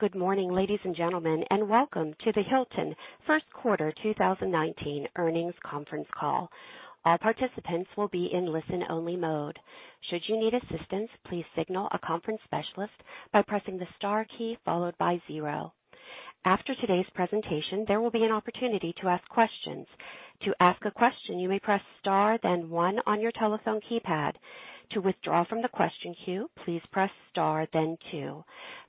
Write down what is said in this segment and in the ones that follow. Good morning, ladies and gentlemen. Welcome to the Hilton First Quarter 2019 Earnings Conference Call. All participants will be in listen-only mode. Should you need assistance, please signal a conference specialist by pressing the star key followed by zero. After today's presentation, there will be an opportunity to ask questions. To ask a question, you may press star then one on your telephone keypad. To withdraw from the question queue, please press star then two.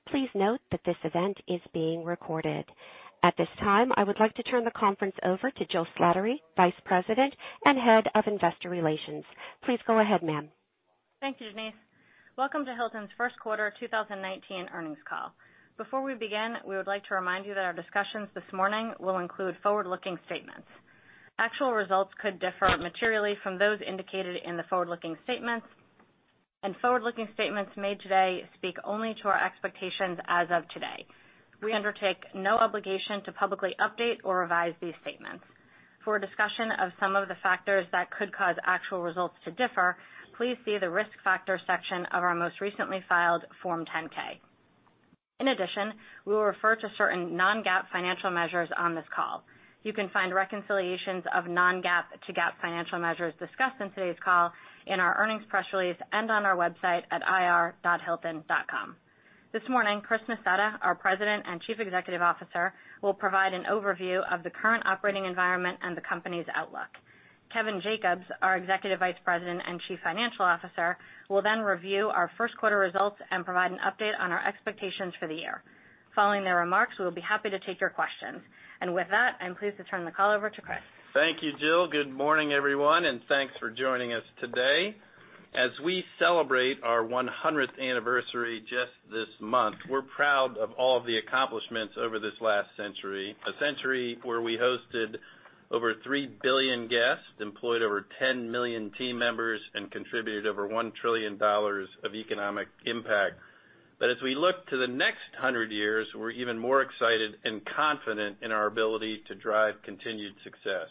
Please note that this event is being recorded. At this time, I would like to turn the conference over to Jill Slattery, Vice President and Head of Investor Relations. Please go ahead, ma'am. Thank you, Denise. Welcome to Hilton's First Quarter 2019 Earnings Call. Before we begin, we would like to remind you that our discussions this morning will include forward-looking statements. Actual results could differ materially from those indicated in the forward-looking statements. Forward-looking statements made today speak only to our expectations as of today. We undertake no obligation to publicly update or revise these statements. For a discussion of some of the factors that could cause actual results to differ, please see the Risk Factors section of our most recently filed Form 10-K. In addition, we will refer to certain non-GAAP financial measures on this call. You can find reconciliations of non-GAAP to GAAP financial measures discussed in today's call in our earnings press release and on our website at ir.hilton.com. This morning, Chris Nassetta, our President and Chief Executive Officer, will provide an overview of the current operating environment and the company's outlook. Kevin Jacobs, our Executive Vice President and Chief Financial Officer, will then review our first quarter results and provide an update on our expectations for the year. Following their remarks, we'll be happy to take your questions. With that, I'm pleased to turn the call over to Chris. Thank you, Jill. Good morning, everyone. Thanks for joining us today. As we celebrate our 100th anniversary just this month, we're proud of all of the accomplishments over this last century, a century where we hosted over 3 billion guests, employed over 10 million team members, and contributed over $1 trillion of economic impact. As we look to the next 100 years, we're even more excited and confident in our ability to drive continued success.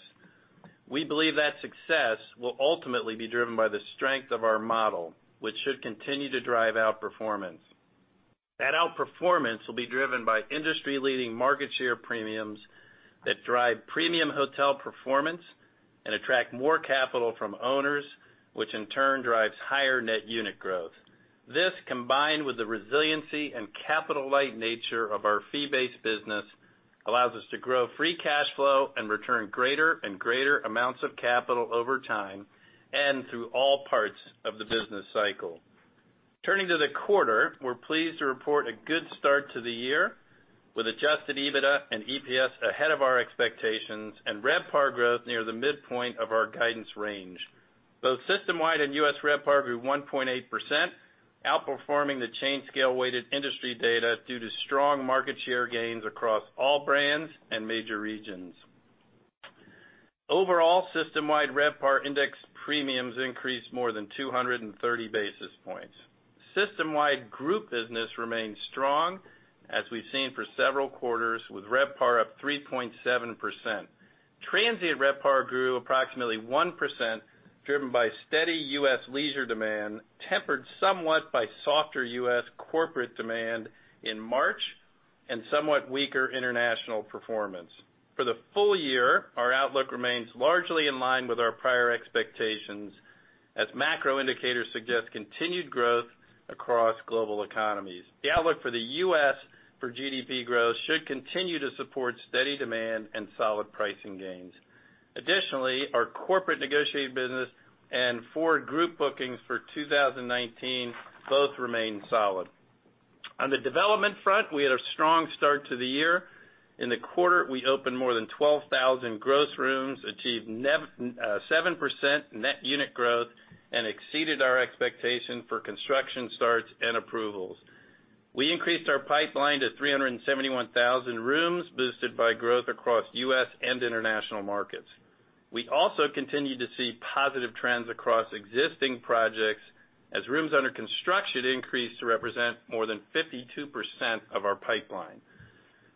We believe that success will ultimately be driven by the strength of our model, which should continue to drive outperformance. That outperformance will be driven by industry-leading market share premiums that drive premium hotel performance and attract more capital from owners, which in turn drives higher net unit growth. This, combined with the resiliency and capital-light nature of our fee-based business, allows us to grow free cash flow and return greater and greater amounts of capital over time and through all parts of the business cycle. Turning to the quarter, we're pleased to report a good start to the year with adjusted EBITDA and EPS ahead of our expectations and RevPAR growth near the midpoint of our guidance range. Both system-wide and U.S. RevPAR grew 1.8%, outperforming the chain scale weighted industry data due to strong market share gains across all brands and major regions. Overall, system-wide RevPAR index premiums increased more than 230 basis points. System-wide group business remains strong, as we've seen for several quarters, with RevPAR up 3.7%. Transient RevPAR grew approximately 1%, driven by steady U.S. leisure demand, tempered somewhat by softer U.S. corporate demand in March, and somewhat weaker international performance. For the full year, our outlook remains largely in line with our prior expectations as macro indicators suggest continued growth across global economies. The outlook for the U.S. for GDP growth should continue to support steady demand and solid pricing gains. Additionally, our corporate negotiating business and forward group bookings for 2019 both remain solid. On the development front, we had a strong start to the year. In the quarter, we opened more than 12,000 gross rooms, achieved 7% net unit growth, and exceeded our expectation for construction starts and approvals. We increased our pipeline to 371,000 rooms, boosted by growth across U.S. and international markets. We also continued to see positive trends across existing projects as rooms under construction increased to represent more than 52% of our pipeline.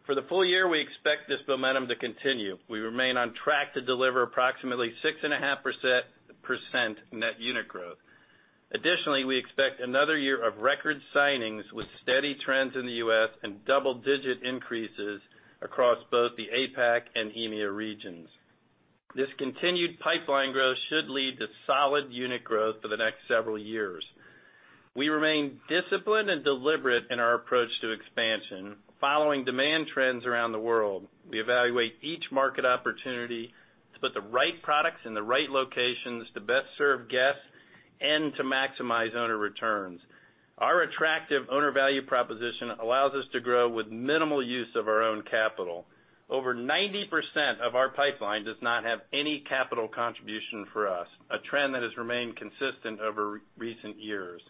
For the full year, we expect this momentum to continue. We remain on track to deliver approximately 6.5% net unit growth. Additionally, we expect another year of record signings with steady trends in the U.S. and double-digit increases across both the APAC and EMEA regions. This continued pipeline growth should lead to solid unit growth for the next several years. We remain disciplined and deliberate in our approach to expansion. Following demand trends around the world, we evaluate each market opportunity to put the right products in the right locations to best serve guests and to maximize owner returns. Our attractive owner value proposition allows us to grow with minimal use of our own capital. Over 90% of our pipeline does not have any capital contribution for us, a trend that has remained consistent over recent years.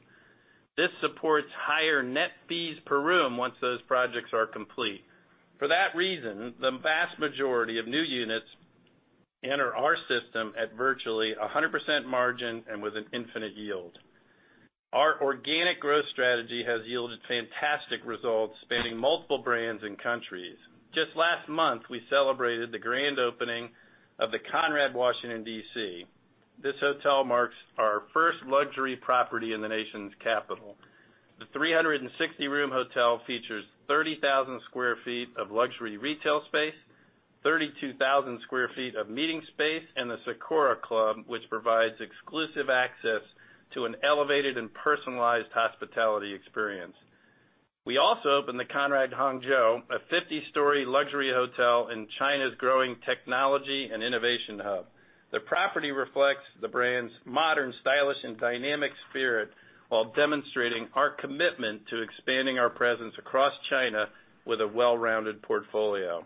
This supports higher net fees per room once those projects are complete. For that reason, the vast majority of new units enter our system at virtually 100% margin and with an infinite yield. Our organic growth strategy has yielded fantastic results. Multiple brands in countries. Just last month, we celebrated the grand opening of the Conrad Washington, D.C. This hotel marks our first luxury property in the nation's capital. The 360-room hotel features 30,000 square feet of luxury retail space, 32,000 square feet of meeting space, and the Sakura Club, which provides exclusive access to an elevated and personalized hospitality experience. We also opened the Conrad Hangzhou, a 50-story luxury hotel in China's growing technology and innovation hub. The property reflects the brand's modern, stylish, and dynamic spirit, while demonstrating our commitment to expanding our presence across China with a well-rounded portfolio.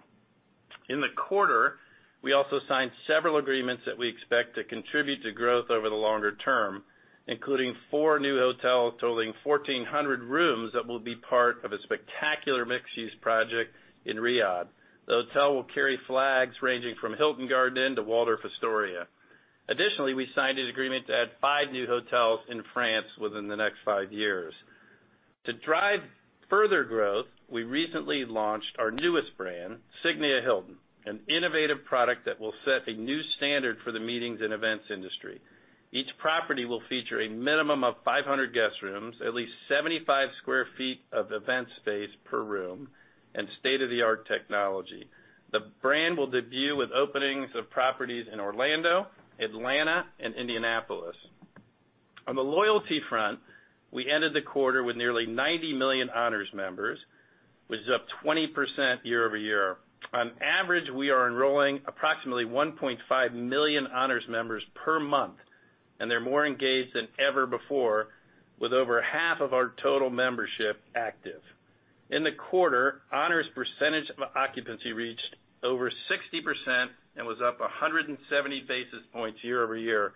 In the quarter, we also signed several agreements that we expect to contribute to growth over the longer term, including four new hotels totaling 1,400 rooms that will be part of a spectacular mixed-use project in Riyadh. The hotel will carry flags ranging from Hilton Garden Inn to Waldorf Astoria. Additionally, we signed an agreement to add five new hotels in France within the next five years. To drive further growth, we recently launched our newest brand, Signia by Hilton, an innovative product that will set a new standard for the meetings and events industry. Each property will feature a minimum of 500 guest rooms, at least 75 sq ft of event space per room, and state-of-the-art technology. The brand will debut with openings of properties in Orlando, Atlanta, and Indianapolis. On the loyalty front, we ended the quarter with nearly 90 million Hilton Honors members, which is up 20% year-over-year. On average, we are enrolling approximately 1.5 million Hilton Honors members per month, and they're more engaged than ever before, with over half of our total membership active. In the quarter, Hilton Honors percentage of occupancy reached over 60% and was up 170 basis points year-over-year,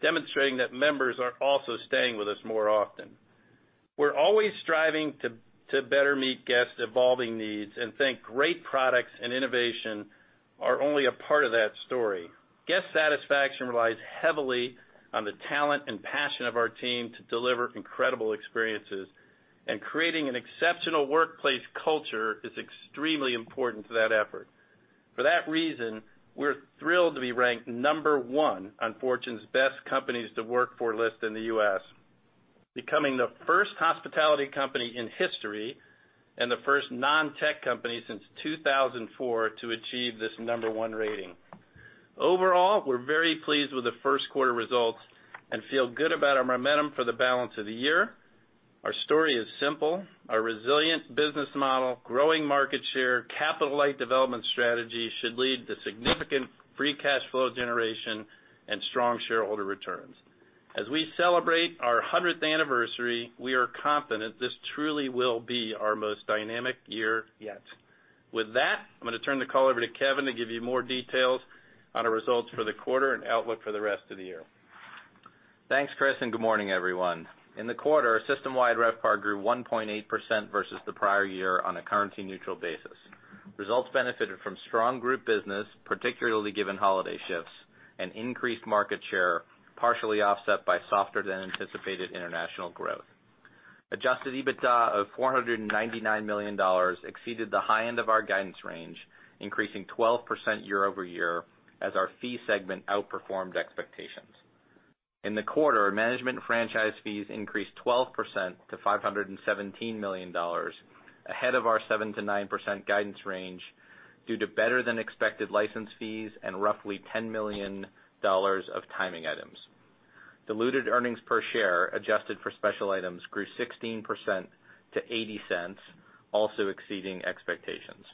demonstrating that members are also staying with us more often. We're always striving to better meet guests' evolving needs and think great products and innovation are only a part of that story. Guest satisfaction relies heavily on the talent and passion of our team to deliver incredible experiences, and creating an exceptional workplace culture is extremely important to that effort. For that reason, we're thrilled to be ranked number 1 on Fortune's Best Companies to Work For list in the U.S., becoming the first hospitality company in history and the first non-tech company since 2004 to achieve this number 1 rating. Overall, we're very pleased with the first quarter results and feel good about our momentum for the balance of the year. Our story is simple. Our resilient business model, growing market share, capital-light development strategy should lead to significant free cash flow generation and strong shareholder returns. As we celebrate our 100th anniversary, we are confident this truly will be our most dynamic year yet. With that, I'm going to turn the call over to Kevin to give you more details on our results for the quarter and outlook for the rest of the year. Thanks, Chris, and good morning, everyone. In the quarter, our system-wide RevPAR grew 1.8% versus the prior year on a currency-neutral basis. Results benefited from strong group business, particularly given holiday shifts and increased market share, partially offset by softer than anticipated international growth. Adjusted EBITDA of $499 million exceeded the high end of our guidance range, increasing 12% year-over-year as our fee segment outperformed expectations. In the quarter, management franchise fees increased 12% to $517 million, ahead of our 7%-9% guidance range due to better than expected license fees and roughly $10 million of timing items. Diluted earnings per share adjusted for special items grew 16% to $0.80, also exceeding expectations.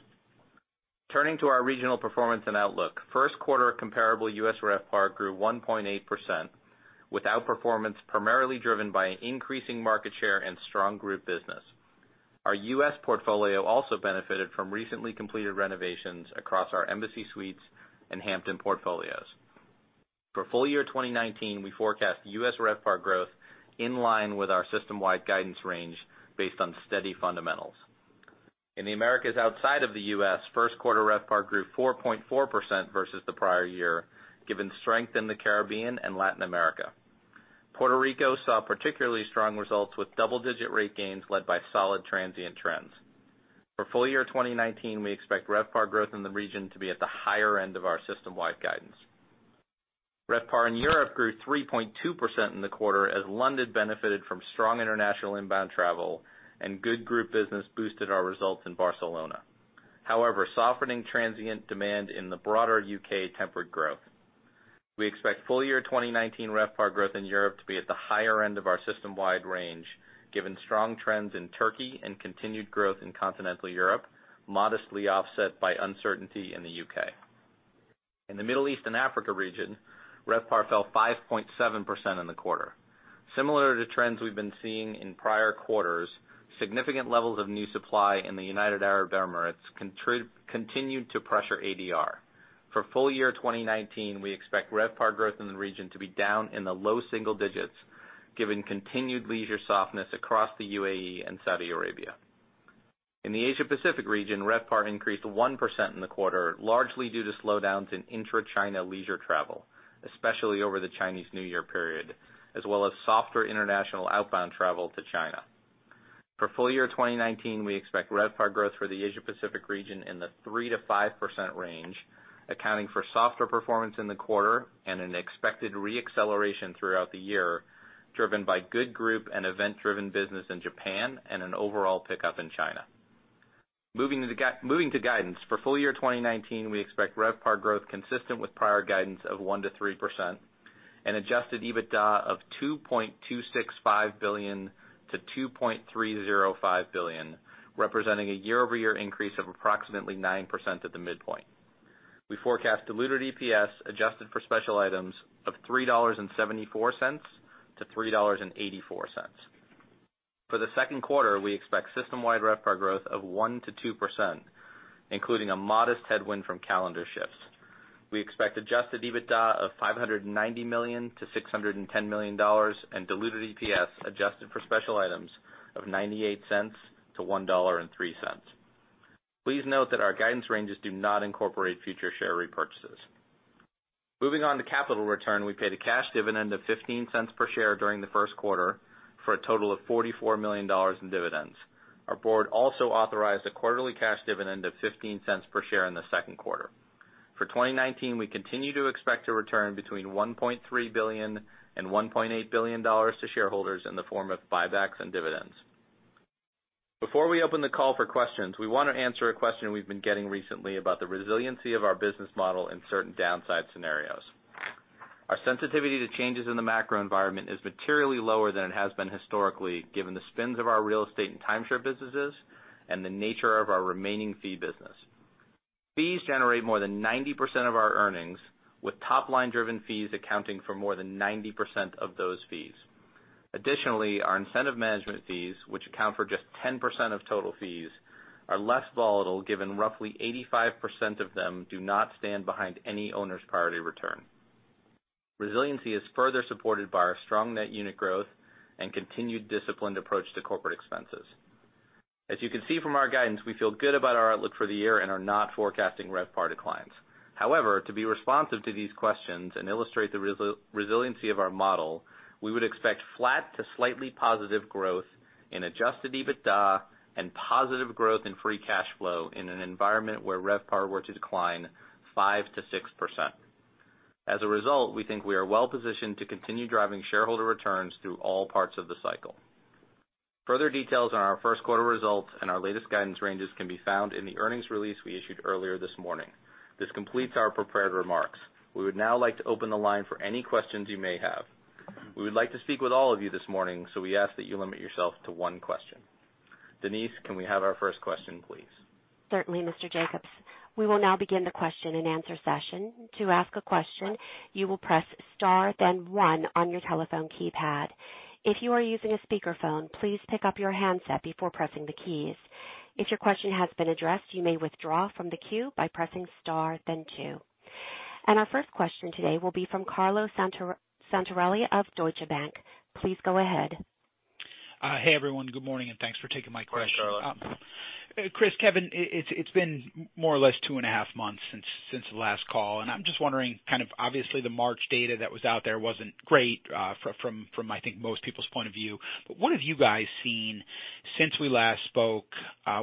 Turning to our regional performance and outlook. First quarter comparable U.S. RevPAR grew 1.8%, with outperformance primarily driven by an increasing market share and strong group business. Our U.S. portfolio also benefited from recently completed renovations across our Embassy Suites and Hampton portfolios. For full year 2019, we forecast U.S. RevPAR growth in line with our system-wide guidance range based on steady fundamentals. In the Americas outside of the U.S., first quarter RevPAR grew 4.4% versus the prior year, given strength in the Caribbean and Latin America. Puerto Rico saw particularly strong results with double-digit rate gains led by solid transient trends. For full year 2019, we expect RevPAR growth in the region to be at the higher end of our system-wide guidance. RevPAR in Europe grew 3.2% in the quarter as London benefited from strong international inbound travel and good group business boosted our results in Barcelona. However, softening transient demand in the broader U.K. tempered growth. We expect full year 2019 RevPAR growth in Europe to be at the higher end of our system-wide range, given strong trends in Turkey and continued growth in continental Europe, modestly offset by uncertainty in the U.K. In the Middle East and Africa region, RevPAR fell 5.7% in the quarter. Similar to trends we've been seeing in prior quarters, significant levels of new supply in the United Arab Emirates continued to pressure ADR. For full year 2019, we expect RevPAR growth in the region to be down in the low single digits, given continued leisure softness across the UAE and Saudi Arabia. In the Asia Pacific region, RevPAR increased 1% in the quarter, largely due to slowdowns in intra-China leisure travel, especially over the Chinese New Year period, as well as softer international outbound travel to China. For full year 2019, we expect RevPAR growth for the Asia Pacific region in the 3%-5% range, accounting for softer performance in the quarter and an expected re-acceleration throughout the year, driven by good group and event-driven business in Japan and an overall pickup in China. Moving to guidance. For full year 2019, we expect RevPAR growth consistent with prior guidance of 1%-3% and adjusted EBITDA of $2.265 billion-$2.305 billion, representing a year-over-year increase of approximately 9% at the midpoint. We forecast diluted EPS adjusted for special items of $3.74-$3.84. For the second quarter, we expect system-wide RevPAR growth of 1%-2%, including a modest headwind from calendar shifts. We expect adjusted EBITDA of $590 million-$610 million and diluted EPS adjusted for special items of $0.98-$1.03. Please note that our guidance ranges do not incorporate future share repurchases. Moving on to capital return. We paid a cash dividend of $0.15 per share during the first quarter for a total of $44 million in dividends. Our board also authorized a quarterly cash dividend of $0.15 per share in the second quarter. For 2019, we continue to expect to return between $1.3 billion and $1.8 billion to shareholders in the form of buybacks and dividends. Before we open the call for questions, we want to answer a question we've been getting recently about the resiliency of our business model in certain downside scenarios. Our sensitivity to changes in the macro environment is materially lower than it has been historically, given the spins of our real estate and timeshare businesses and the nature of our remaining fee business. Fees generate more than 90% of our earnings, with top-line driven fees accounting for more than 90% of those fees. Additionally, our incentive management fees, which account for just 10% of total fees, are less volatile given roughly 85% of them do not stand behind any owner's priority return. Resiliency is further supported by our strong net unit growth and continued disciplined approach to corporate expenses. As you can see from our guidance, we feel good about our outlook for the year and are not forecasting RevPAR declines. To be responsive to these questions and illustrate the resiliency of our model, we would expect flat to slightly positive growth in adjusted EBITDA and positive growth in free cash flow in an environment where RevPAR were to decline 5%-6%. As a result, we think we are well positioned to continue driving shareholder returns through all parts of the cycle. Further details on our first quarter results and our latest guidance ranges can be found in the earnings release we issued earlier this morning. This completes our prepared remarks. We would now like to open the line for any questions you may have. We would like to speak with all of you this morning, so we ask that you limit yourself to one question. Denise, can we have our first question, please? Certainly, Mr. Jacobs. We will now begin the question and answer session. To ask a question, you will press star then one on your telephone keypad. If you are using a speakerphone, please pick up your handset before pressing the keys. If your question has been addressed, you may withdraw from the queue by pressing star then two. Our first question today will be from Carlo Santarelli of Deutsche Bank. Please go ahead. Hey everyone. Good morning. Thanks for taking my question. Hi, Carlo. Chris, Kevin, it's been more or less two and a half months since the last call. I'm just wondering, obviously the March data that was out there wasn't great from I think most people's point of view. What have you guys seen since we last spoke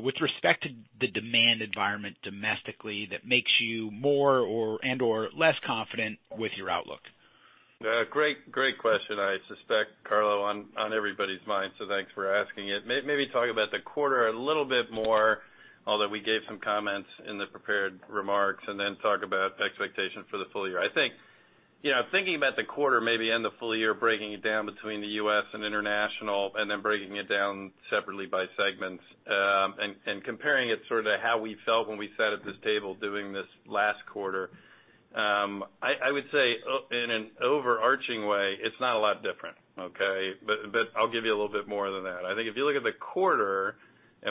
with respect to the demand environment domestically that makes you more and/or less confident with your outlook? Great question. I suspect, Carlo, on everybody's mind. Thanks for asking it. Maybe talk about the quarter a little bit more, although we gave some comments in the prepared remarks. Then talk about expectations for the full year. Thinking about the quarter, maybe end of full year, breaking it down between the U.S. and international. Then breaking it down separately by segments, comparing it sort of to how we felt when we sat at this table doing this last quarter. I would say in an overarching way, it's not a lot different, okay? I'll give you a little bit more than that. I think if you look at the quarter,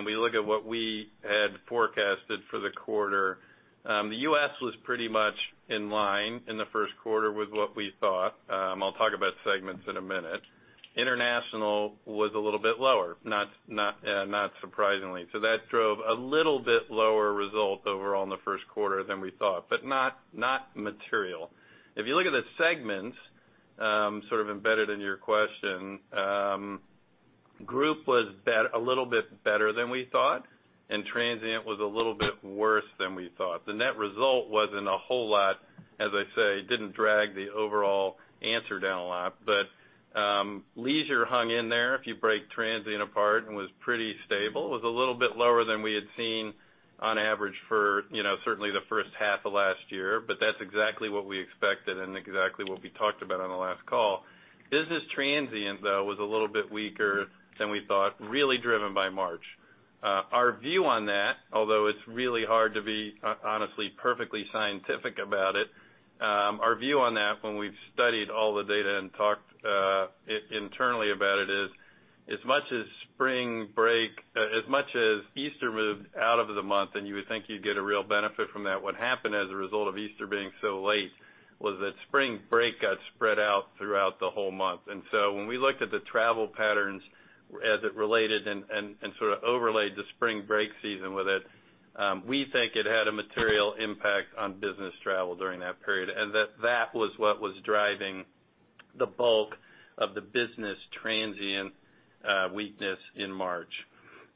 we look at what we had forecasted for the quarter, the U.S. was pretty much in line in the first quarter with what we thought. I'll talk about segments in a minute. International was a little bit lower, not surprisingly. That drove a little bit lower result overall in the first quarter than we thought, not material. If you look at the segments sort of embedded in your question, group was a little bit better than we thought, transient was a little bit worse than we thought. The net result wasn't a whole lot, as I say, didn't drag the overall answer down a lot. Leisure hung in there, if you break transient apart, was pretty stable. It was a little bit lower than we had seen on average for certainly the first half of last year. That's exactly what we expected and exactly what we talked about on the last call. Business transient, though, was a little bit weaker than we thought, really driven by March. Our view on that, although it's really hard to be honestly, perfectly scientific about it, our view on that when we've studied all the data and talked internally about it is, as much as Easter moved out of the month and you would think you'd get a real benefit from that, what happened as a result of Easter being so late was that spring break got spread out throughout the whole month. When we looked at the travel patterns as it related and sort of overlaid the spring break season with it, we think it had a material impact on business travel during that period, and that was what was driving The bulk of the business transient weakness in March.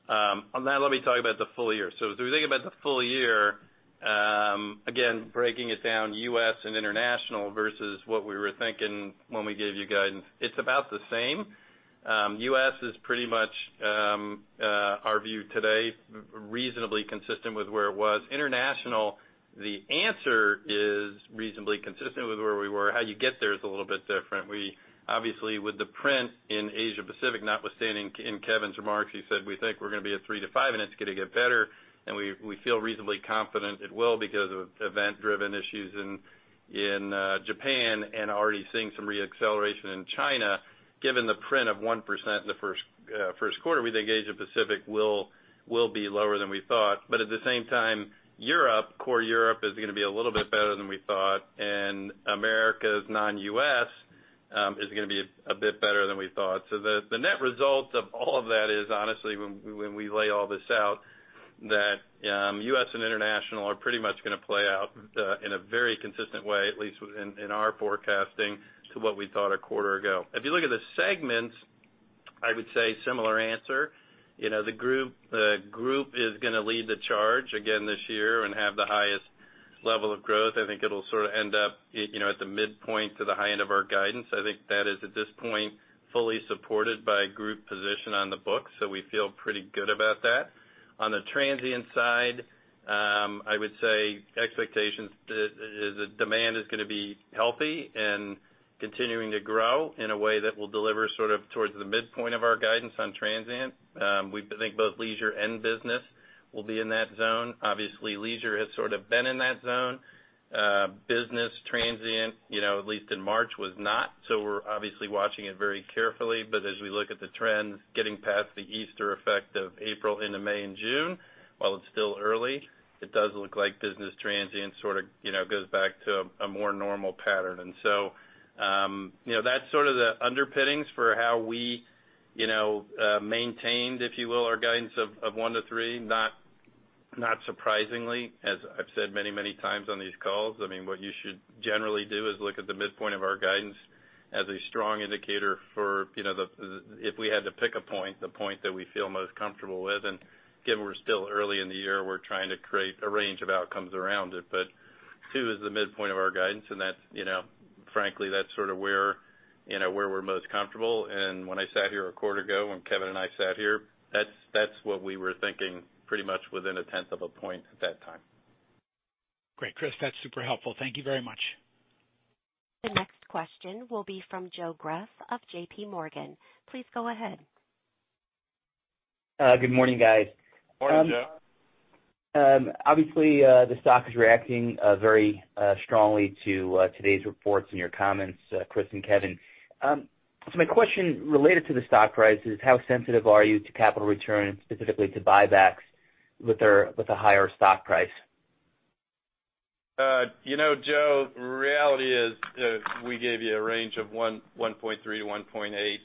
On that, let me talk about the full year. As we think about the full year, again, breaking it down U.S. and international versus what we were thinking when we gave you guidance, it's about the same. U.S. is pretty much our view today, reasonably consistent with where it was. International, the answer is reasonably consistent with where we were. How you get there is a little bit different. Obviously, with the print in Asia Pacific, notwithstanding in Kevin's remarks, he said, we think we're going to be at 3%-5%, and it's going to get better, and we feel reasonably confident it will because of event-driven issues in Japan and already seeing some re-acceleration in China. Given the print of 1% in the first quarter, we think Asia Pacific will be lower than we thought. At the same time, Europe, core Europe, is going to be a little bit better than we thought, and Americas non-U.S., is going to be a bit better than we thought. The net result of all of that is, honestly, when we lay all this out, that U.S. and international are pretty much going to play out in a very consistent way, at least in our forecasting, to what we thought a quarter ago. If you look at the segments, I would say similar answer. The group is going to lead the charge again this year and have the highest level of growth. I think it'll sort of end up at the midpoint to the high end of our guidance. I think that is, at this point, fully supported by group position on the book, so we feel pretty good about that. On the transient side, I would say expectations, the demand is going to be healthy and continuing to grow in a way that will deliver sort of towards the midpoint of our guidance on transient. We think both leisure and business will be in that zone. Obviously, leisure has sort of been in that zone. Business transient, at least in March, was not, so we're obviously watching it very carefully. As we look at the trends, getting past the Easter effect of April into May and June, while it's still early, it does look like business transient sort of goes back to a more normal pattern. That's sort of the underpinnings for how we maintained, if you will, our guidance of 1% to 3%, not surprisingly, as I've said many times on these calls. What you should generally do is look at the midpoint of our guidance as a strong indicator for if we had to pick a point, the point that we feel most comfortable with. Given we're still early in the year, we're trying to create a range of outcomes around it. Two is the midpoint of our guidance, and frankly, that's sort of where we're most comfortable. When I sat here a quarter ago, when Kevin and I sat here, that's what we were thinking pretty much within 0.1 of a point at that time. Great, Chris. That's super helpful. Thank you very much. The next question will be from Joe Greff of JPMorgan. Please go ahead. Good morning, guys. Morning, Joe. Obviously, the stock is reacting very strongly to today's reports and your comments, Chris and Kevin. My question related to the stock price is how sensitive are you to capital return, specifically to buybacks with the higher stock price? Joe, reality is we gave you a range of 1.3-1.8,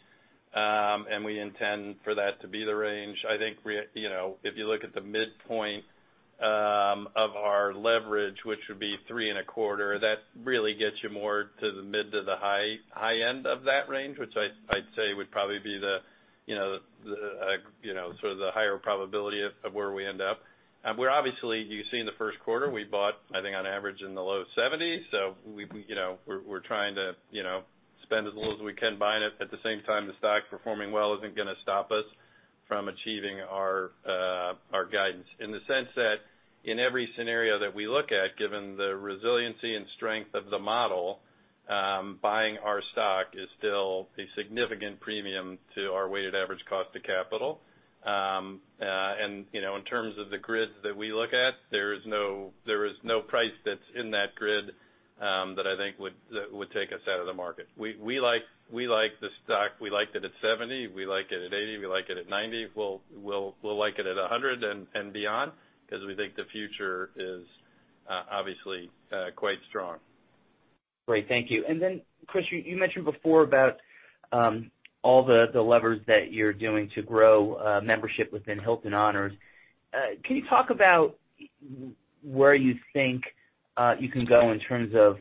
and we intend for that to be the range. I think if you look at the midpoint of our leverage, which would be three and a quarter, that really gets you more to the mid to the high end of that range, which I'd say would probably be the higher probability of where we end up. We're obviously, you've seen the first quarter, we bought, I think, on average in the low $70s. We're trying to spend as little as we can buying it. At the same time, the stock performing well isn't going to stop us from achieving our guidance in the sense that in every scenario that we look at, given the resiliency and strength of the model, buying our stock is still a significant premium to our weighted average cost of capital. In terms of the grid that we look at, there is no price that's in that grid that I think would take us out of the market. We like the stock. We liked it at $70. We like it at $80. We like it at $90. We'll like it at $100 and beyond because we think the future is obviously quite strong. Thank you. Chris, you mentioned before about all the levers that you're doing to grow membership within Hilton Honors. Can you talk about where you think you can go in terms of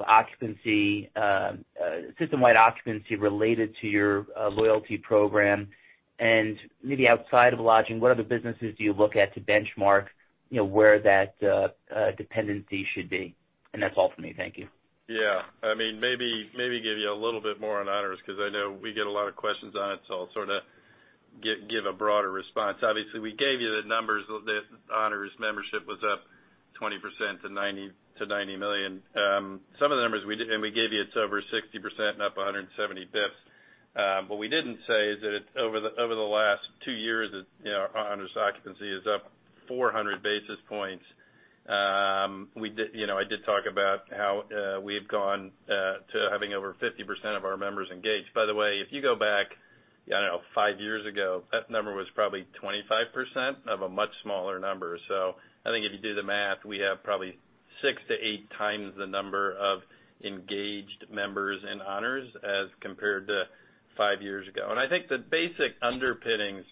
system-wide occupancy related to your loyalty program? Maybe outside of lodging, what other businesses do you look at to benchmark where that dependency should be? That's all from me. Thank you. Yeah. Maybe give you a little bit more on Honors because I know we get a lot of questions on it, I'll sort of give a broader response. Obviously, we gave you the numbers that Honors membership was up 20% to $90 million. Some of the numbers, and we gave you, it's over 60% and up 170 basis points. What we didn't say is that over the last two years, Honors occupancy is up 400 basis points. I did talk about how we've gone to having over 50% of our members engaged. By the way, if you go back, I don't know, five years ago, that number was probably 25% of a much smaller number. I think if you do the math, we have probably six to eight times the number of engaged members in Honors as compared to five years ago. I think the basic underpinnings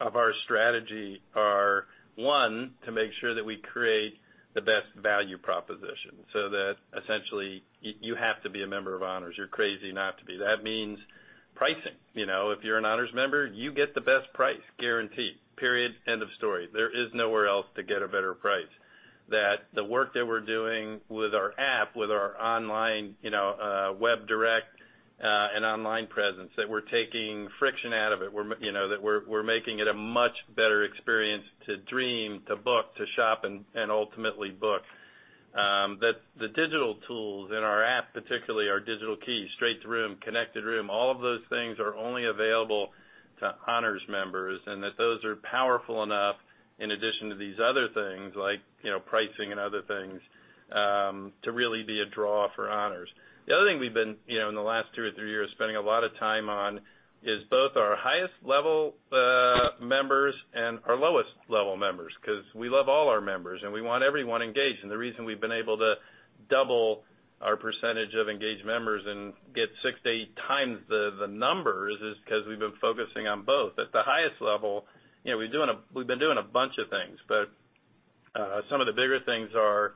of our strategy are, one, to make sure that we create the best value proposition, that essentially you have to be a member of Honors. You're crazy not to be. That means pricing. If you're an Honors member, you get the best price guaranteed, period, end of story. There is nowhere else to get a better price. That the work that we're doing with our app, with our online web direct, and online presence, that we're taking friction out of it, that we're making it a much better experience to dream, to book, to shop, and ultimately book. That the digital tools in our app, particularly our Digital Key, straight to room, Connected Room, all of those things are only available to Honors members, that those are powerful enough in addition to these other things like, pricing and other things, to really be a draw for Honors. The other thing we've been, in the last two or three years, spending a lot of time on is both our highest level members and our lowest level members, because we love all our members, we want everyone engaged. The reason we've been able to double our percentage of engaged members and get six to eight times the numbers is because we've been focusing on both. At the highest level, we've been doing a bunch of things, but some of the bigger things are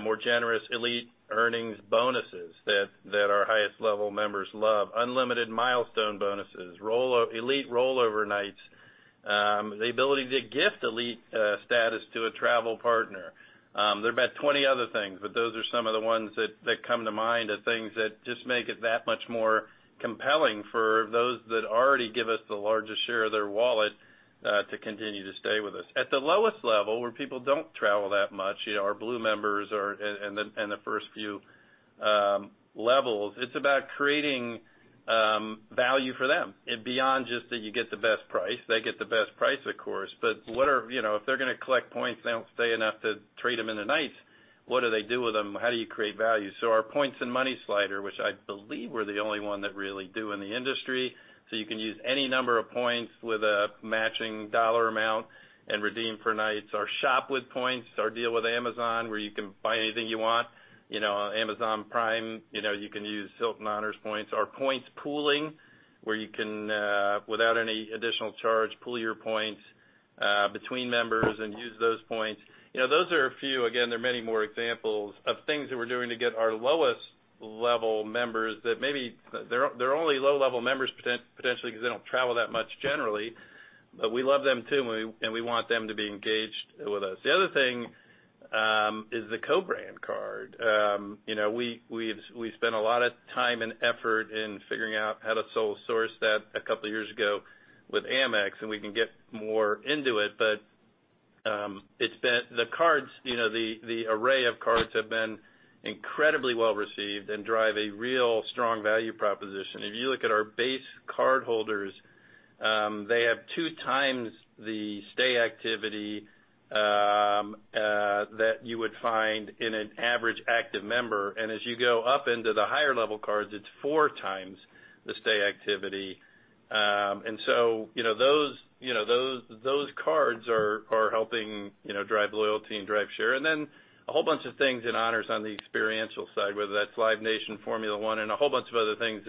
more generous Elite earnings bonuses that our highest level members love, unlimited milestone bonuses, Elite rollover nights, the ability to gift Elite status to a travel partner. There about 20 other things, but those are some of the ones that come to mind as things that just make it that much more compelling for those that already give us the largest share of their wallet to continue to stay with us. At the lowest level, where people don't travel that much, our Blue members and the first few levels, it's about creating value for them beyond just that you get the best price. They get the best price, of course. If they're going to collect points, they don't stay enough to trade them into nights, what do they do with them? How do you create value? Our points and money slider, which I believe we're the only one that really do in the industry, you can use any number of points with a matching dollar amount and redeem for nights or shop with points, our deal with Amazon, where you can buy anything you want on Amazon Prime, you can use Hilton Honors points. Our points pooling, where you can, without any additional charge, pool your points between members and use those points. Those are a few. Again, there are many more examples of things that we're doing to get our lowest level members that maybe they're only low-level members potentially because they don't travel that much generally, but we love them too, and we want them to be engaged with us. The other thing is the co-brand card. We spent a lot of time and effort in figuring out how to sole source that a couple of years ago with Amex, and we can get more into it, but the array of cards have been incredibly well-received and drive a real strong value proposition. If you look at our base cardholders, they have two times the stay activity that you would find in an average active member. As you go up into the higher level cards, it's four times the stay activity. Those cards are helping drive loyalty and drive share. A whole bunch of things in Honors on the experiential side, whether that's Live Nation, Formula 1, and a whole bunch of other things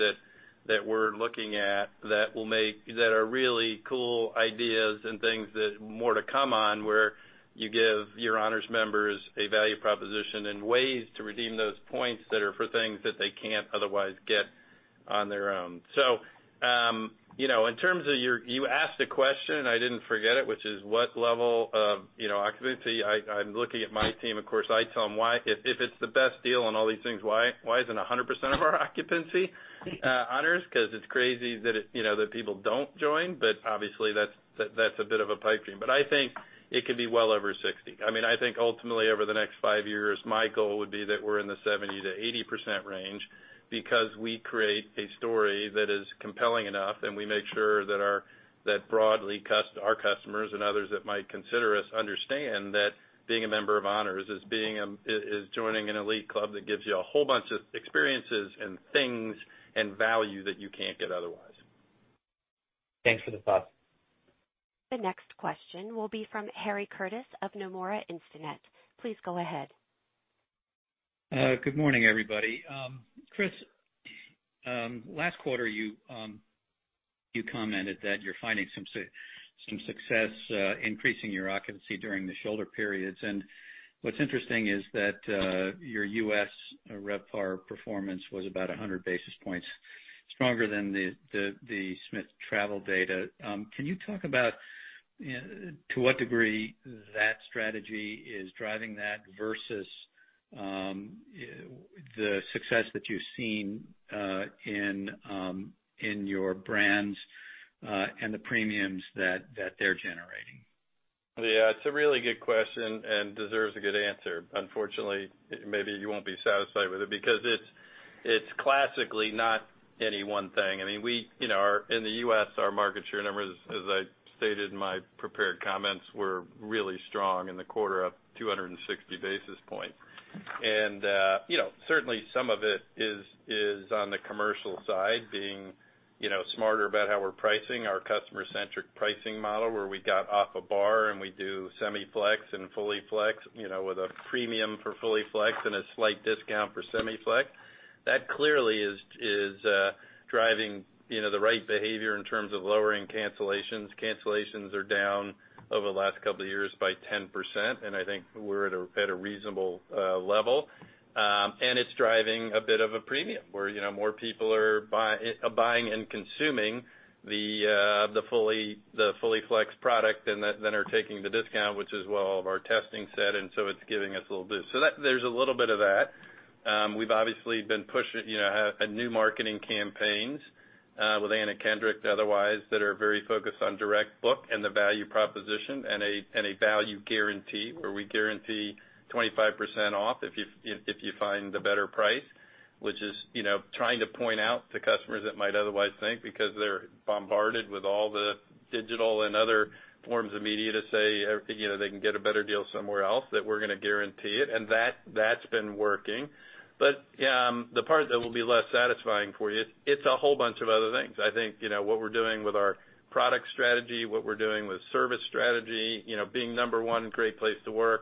that we're looking at that are really cool ideas and things that more to come on, where you give your Honors members a value proposition and ways to redeem those points that are for things that they can't otherwise get on their own. In terms of your You asked a question, I didn't forget it, which is what level of occupancy. I'm looking at my team. Of course, I tell them if it's the best deal on all these things, why isn't 100% of our occupancy Honors? Because it's crazy that people don't join, obviously that's a bit of a pipe dream. I think it could be well over 60. I think ultimately over the next five years, my goal would be that we're in the 70%-80% range because we create a story that is compelling enough, and we make sure that broadly our customers and others that might consider us understand that being a member of Hilton Honors is joining an elite club that gives you a whole bunch of experiences and things and value that you can't get otherwise. Thanks for the thoughts. The next question will be from Harry Curtis of Nomura Instinet. Please go ahead. Good morning, everybody. Chris, last quarter you commented that you're finding some success increasing your occupancy during the shoulder periods, and what's interesting is that your U.S. RevPAR performance was about 100 basis points stronger than the Smith Travel data. Can you talk about to what degree that strategy is driving that versus the success that you've seen in your brands, and the premiums that they're generating? Yeah. It's a really good question and deserves a good answer. Unfortunately, maybe you won't be satisfied with it because it's classically not any one thing. In the U.S., our market share numbers, as I stated in my prepared comments, were really strong in the quarter of 260 basis points. Certainly some of it is on the commercial side, being smarter about how we're pricing our customer-centric pricing model, where we got off a bar and we do semi-flex and fully flex, with a premium for fully flex and a slight discount for semi-flex. That clearly is driving the right behavior in terms of lowering cancellations. Cancellations are down over the last couple of years by 10%, and I think we're at a reasonable level. It's driving a bit of a premium, where more people are buying and consuming the fully flex product than are taking the discount, which is where all of our testing said, it's giving us a little boost. There's a little bit of that. We've obviously been pushing new marketing campaigns, with Anna Kendrick, otherwise, that are very focused on direct book and the value proposition, and a value guarantee, where we guarantee 25% off if you find a better price, which is trying to point out to customers that might otherwise think, because they're bombarded with all the digital and other forms of media to say they can get a better deal somewhere else, that we're going to guarantee it. That's been working. The part that will be less satisfying for you, it's a whole bunch of other things. I think, what we're doing with our product strategy, what we're doing with service strategy, being number one great place to work,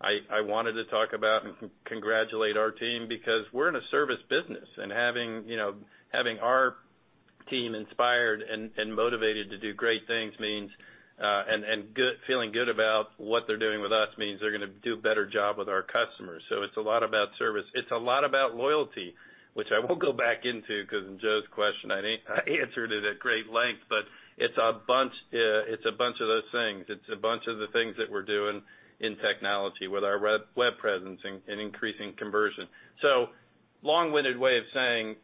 I wanted to talk about and congratulate our team because we're in a service business. Having our team inspired and motivated to do great things and feeling good about what they're doing with us means they're going to do a better job with our customers. It's a lot about service. It's a lot about loyalty, which I won't go back into because in Joe's question, I answered it at great length, it's a bunch of those things. It's a bunch of the things that we're doing in technology with our web presence and increasing conversion. Long-winded way of saying,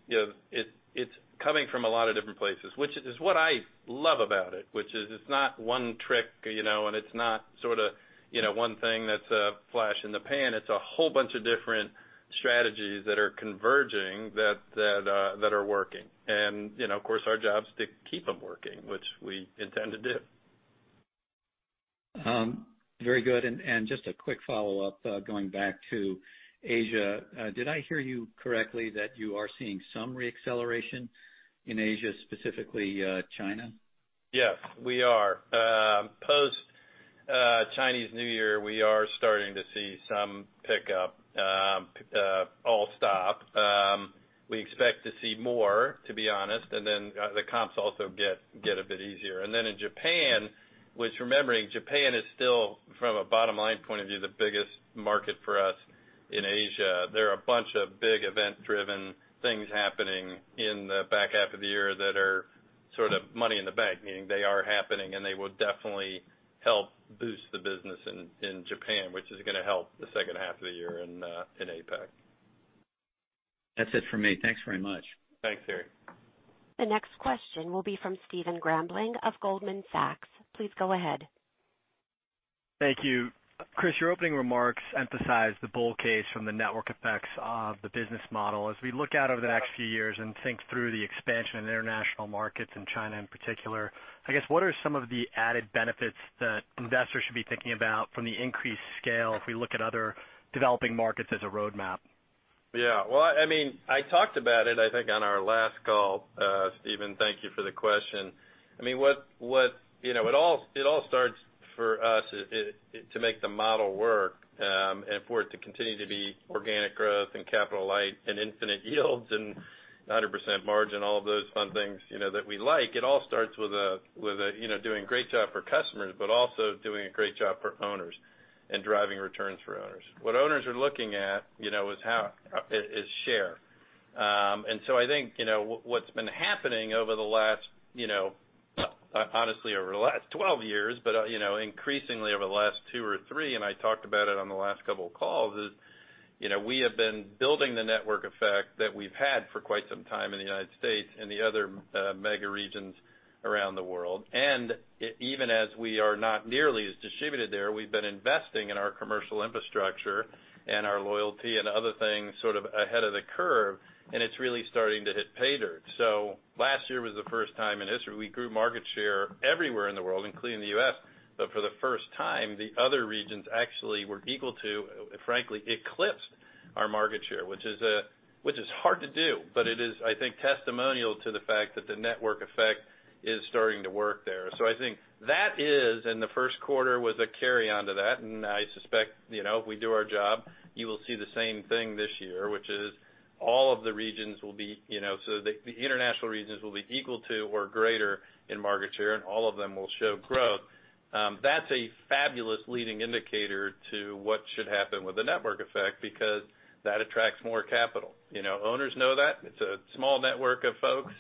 it's coming from a lot of different places. Which is what I love about it, which is it's not one trick, it's not one thing that's a flash in the pan. It's a whole bunch of different strategies that are converging that are working. Of course our job is to keep them working, which we intend to do. Very good. Just a quick follow-up, going back to Asia. Did I hear you correctly that you are seeing some re-acceleration in Asia, specifically China? Yes. We are. Post Chinese New Year, we are starting to see some pickup also. We expect to see more, to be honest, then the comps also get a bit easier. Then in Japan, which remembering, Japan is still, from a bottom-line point of view, the biggest market for us in Asia. There are a bunch of big event driven things happening in the back half of the year that are money in the bank, meaning they are happening and they will definitely help boost the business in Japan, which is going to help the second half of the year in APAC. That's it for me. Thanks very much. Thanks, Harry. The next question will be from Stephen Grambling of Goldman Sachs. Please go ahead. Thank you. Chris, your opening remarks emphasized the bull case from the network effects of the business model. As we look out over the next few years and think through the expansion in international markets, in China in particular, I guess, what are some of the added benefits that investors should be thinking about from the increased scale if we look at other developing markets as a roadmap? Yeah. I talked about it, I think, on our last call, Stephen, thank you for the question. It all starts for us to make the model work, and for it to continue to be organic growth and capital light and infinite yields and 100% margin, all of those fun things that we like. It all starts with doing a great job for customers, but also doing a great job for owners and driving returns for owners. What owners are looking at is share. I think what's been happening over the last, honestly, over the last 12 years, but increasingly over the last two or three, and I talked about it on the last couple of calls, is we have been building the network effect that we've had for quite some time in the U.S. and the other mega regions around the world. Even as we are not nearly as distributed there, we've been investing in our commercial infrastructure and our loyalty and other things ahead of the curve, and it's really starting to hit paydirt. Last year was the first time in history we grew market share everywhere in the world, including the U.S. For the first time, the other regions actually were equal to, frankly, eclipsed our market share, which is hard to do. It is, I think, testimonial to the fact that the network effect is starting to work there. I think that is. The first quarter was a carry on to that. I suspect if we do our job, you will see the same thing this year, which is all of the regions, so the international regions, will be equal to or greater in market share, and all of them will show growth. That's a fabulous leading indicator to what should happen with the network effect because that attracts more capital. Owners know that. It's a small network of folks.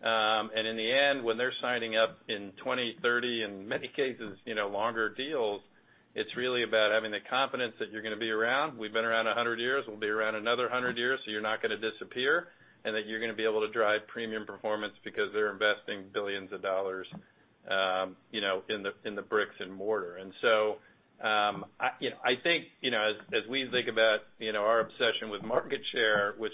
In the end, when they're signing up in 2030, in many cases longer deals, it's really about having the confidence that you're going to be around. We've been around 100 years, we'll be around another 100 years, so you're not going to disappear. That you're going to be able to drive premium performance because they're investing billions of dollars in the bricks and mortar. I think as we think about our obsession with market share, which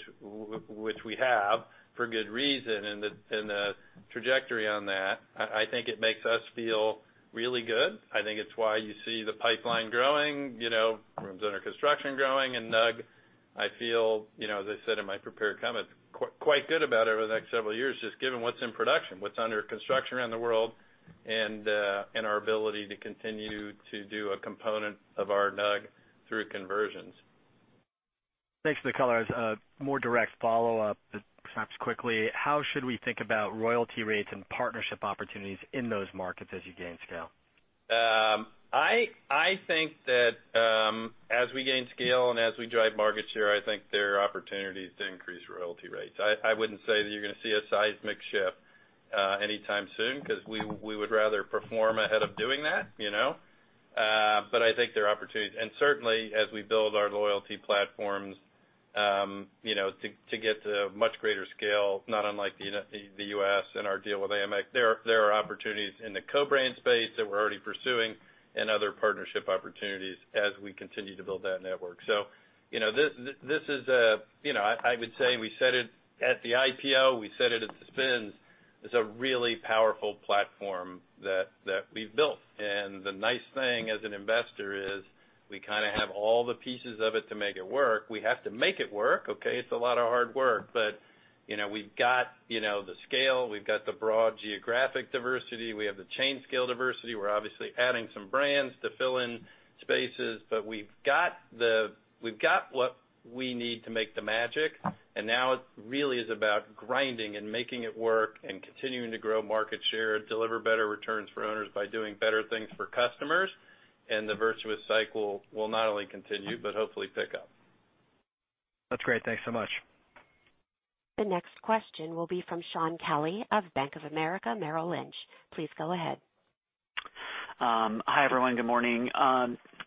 we have for good reason, and the trajectory on that, I think it makes us feel really good. I think it's why you see the pipeline growing, rooms under construction growing, and NUG, I feel, as I said in my prepared comments, quite good about over the next several years, just given what's in production, what's under construction around the world. And our ability to continue to do a component of our NUG through conversions. Thanks for the color. As a more direct follow-up, perhaps quickly, how should we think about royalty rates and partnership opportunities in those markets as you gain scale? I think that as we gain scale and as we drive market share, I think there are opportunities to increase royalty rates. I wouldn't say that you're going to see a seismic shift anytime soon, because we would rather perform ahead of doing that. I think there are opportunities. Certainly, as we build our loyalty platforms to get to much greater scale, not unlike the U.S. and our deal with Amex, there are opportunities in the co-brand space that we're already pursuing and other partnership opportunities as we continue to build that network. I would say we said it at the IPO, we said it at the spins, it's a really powerful platform that we've built. The nice thing as an investor is we kind of have all the pieces of it to make it work. We have to make it work, okay? It's a lot of hard work, but we've got the scale, we've got the broad geographic diversity, we have the chain scale diversity. We're obviously adding some brands to fill in spaces, but we've got what we need to make the magic. Now it really is about grinding and making it work and continuing to grow market share, deliver better returns for owners by doing better things for customers. The virtuous cycle will not only continue, but hopefully pick up. That's great. Thanks so much. The next question will be from Shaun Kelley of Bank of America Merrill Lynch. Please go ahead. Hi, everyone. Good morning.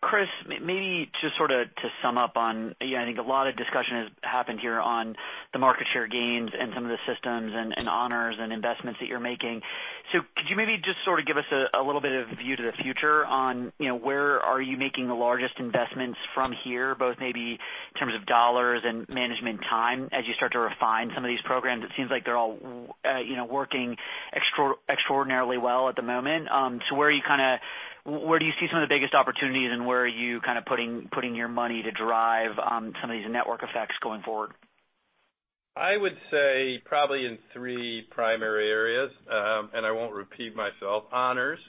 Chris, maybe just sort of to sum up on, I think a lot of discussion has happened here on the market share gains and some of the systems and Hilton Honors and investments that you're making. Could you maybe just sort of give us a little bit of view to the future on where are you making the largest investments from here, both maybe in terms of dollars and management time as you start to refine some of these programs? It seems like they're all working extraordinarily well at the moment. Where do you see some of the biggest opportunities and where are you kind of putting your money to drive some of these network effects going forward? I would say probably in three primary areas. I won't repeat myself. Hilton Honors,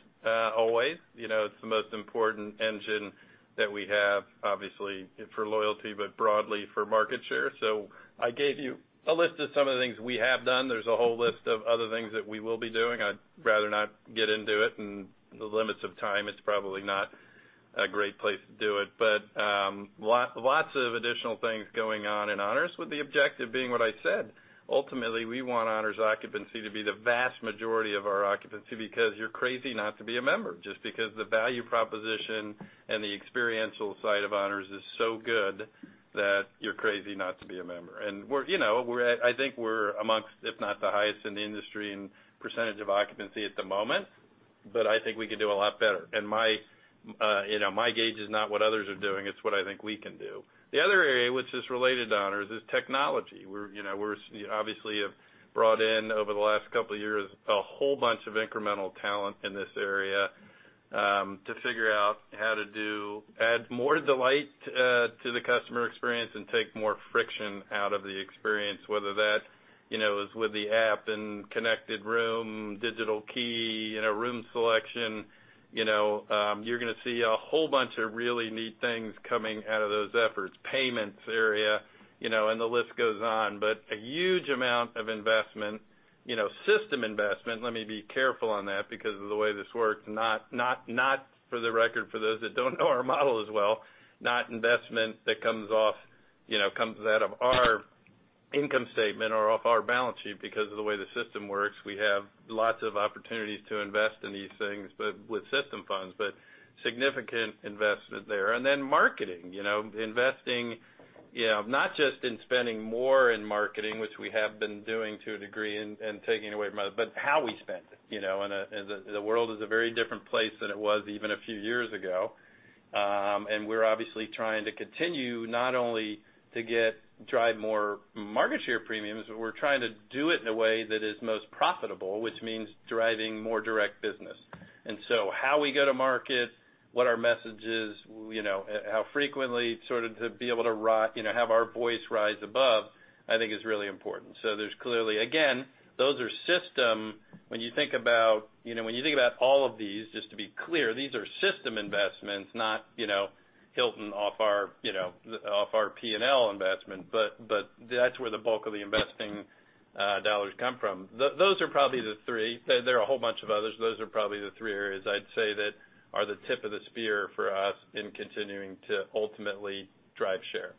always. It's the most important engine that we have, obviously, for loyalty, but broadly for market share. I gave you a list of some of the things we have done. There's a whole list of other things that we will be doing. I'd rather not get into it in the limits of time. It's probably not a great place to do it. Lots of additional things going on in Hilton Honors with the objective being what I said. Ultimately, we want Hilton Honors occupancy to be the vast majority of our occupancy because you're crazy not to be a member, just because the value proposition and the experiential side of Hilton Honors is so good that you're crazy not to be a member. I think we're amongst, if not the highest in the industry in percentage of occupancy at the moment. I think we could do a lot better. My gauge is not what others are doing, it's what I think we can do. The other area, which is related to Hilton Honors, is technology. We obviously have brought in, over the last couple of years, a whole bunch of incremental talent in this area to figure out how to add more delight to the customer experience and take more friction out of the experience, whether that is with the app and Connected Room, Digital Key, room selection. You're going to see a whole bunch of really neat things coming out of those efforts. Payments area. The list goes on. A huge amount of investment, system investment, let me be careful on that because of the way this works, not for the record for those that don't know our model as well, not investment that comes out of our income statement or off our balance sheet because of the way the system works. We have lots of opportunities to invest in these things, but with system funds. Significant investment there. Marketing. Investing, not just in spending more in marketing, which we have been doing to a degree and taking away from other, but how we spend. The world is a very different place than it was even a few years ago. We're obviously trying to continue not only to drive more market share premiums, but we're trying to do it in a way that is most profitable, which means driving more direct business. How we go to market, what our message is, how frequently sort of to be able to have our voice rise above, I think is really important. There's clearly, again, those are system-- when you think about all of these, just to be clear, these are system investments, not Hilton off our P&L investment, but that's where the bulk of the investing dollars come from. Those are probably the three. There are a whole bunch of others. Those are probably the three areas I'd say that are the tip of the spear for us in continuing to ultimately drive share.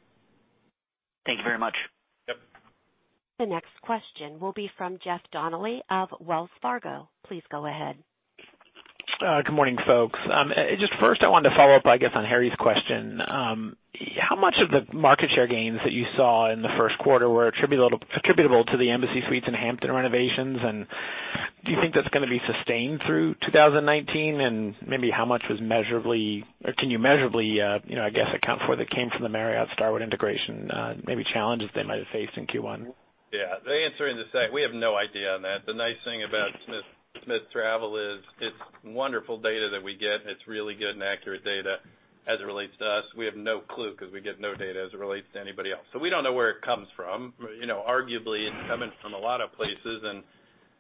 Thank you very much. Yep. The next question will be from Jeff Donnelly of Wells Fargo. Please go ahead. Good morning, folks. Just first I wanted to follow up, I guess, on Harry's question. How much of the market share gains that you saw in the first quarter were attributable to the Embassy Suites and Hampton renovations, and do you think that's going to be sustained through 2019? Maybe how much was measurably, or can you measurably, I guess, account for that came from the Marriott Starwood integration, maybe challenges they might have faced in Q1? Yeah. The answer, we have no idea on that. The nice thing about Smith Travel is it's wonderful data that we get, and it's really good and accurate data as it relates to us. We have no clue because we get no data as it relates to anybody else. We don't know where it comes from. Arguably, it's coming from a lot of places, and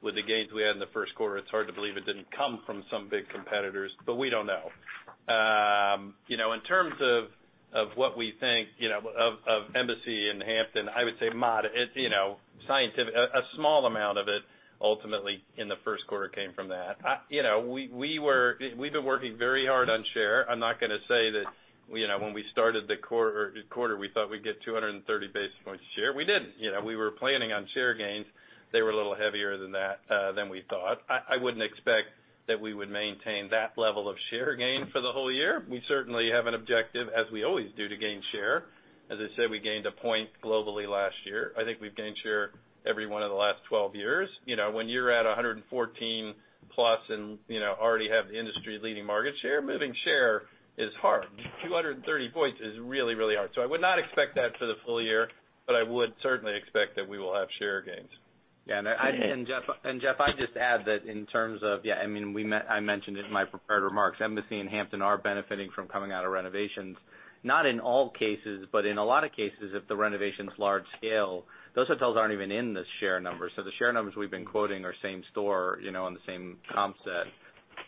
with the gains we had in the first quarter, it's hard to believe it didn't come from some big competitors, but we don't know. Okay. In terms of what we think of Embassy and Hampton, I would say, mod. A small amount of it ultimately in the first quarter came from that. We have been working very hard on share. I am not going to say that when we started the quarter, we thought we would get 230 basis points share. We did not. We were planning on share gains. They were a little heavier than we thought. I would not expect that we would maintain that level of share gain for the whole year. We certainly have an objective, as we always do, to gain share. As I said, we gained a point globally last year. I think we have gained share every one of the last 12 years. When you are at 114+ and already have the industry-leading market share, moving share is hard. 230 points is really hard. I would not expect that for the full year, but I would certainly expect that we will have share gains. Jeff, I would just add that in terms of, I mentioned in my prepared remarks, Embassy and Hampton are benefiting from coming out of renovations, not in all cases, but in a lot of cases, if the renovation is large scale, those hotels are not even in the share numbers. The share numbers we have been quoting are same store, on the same comp set.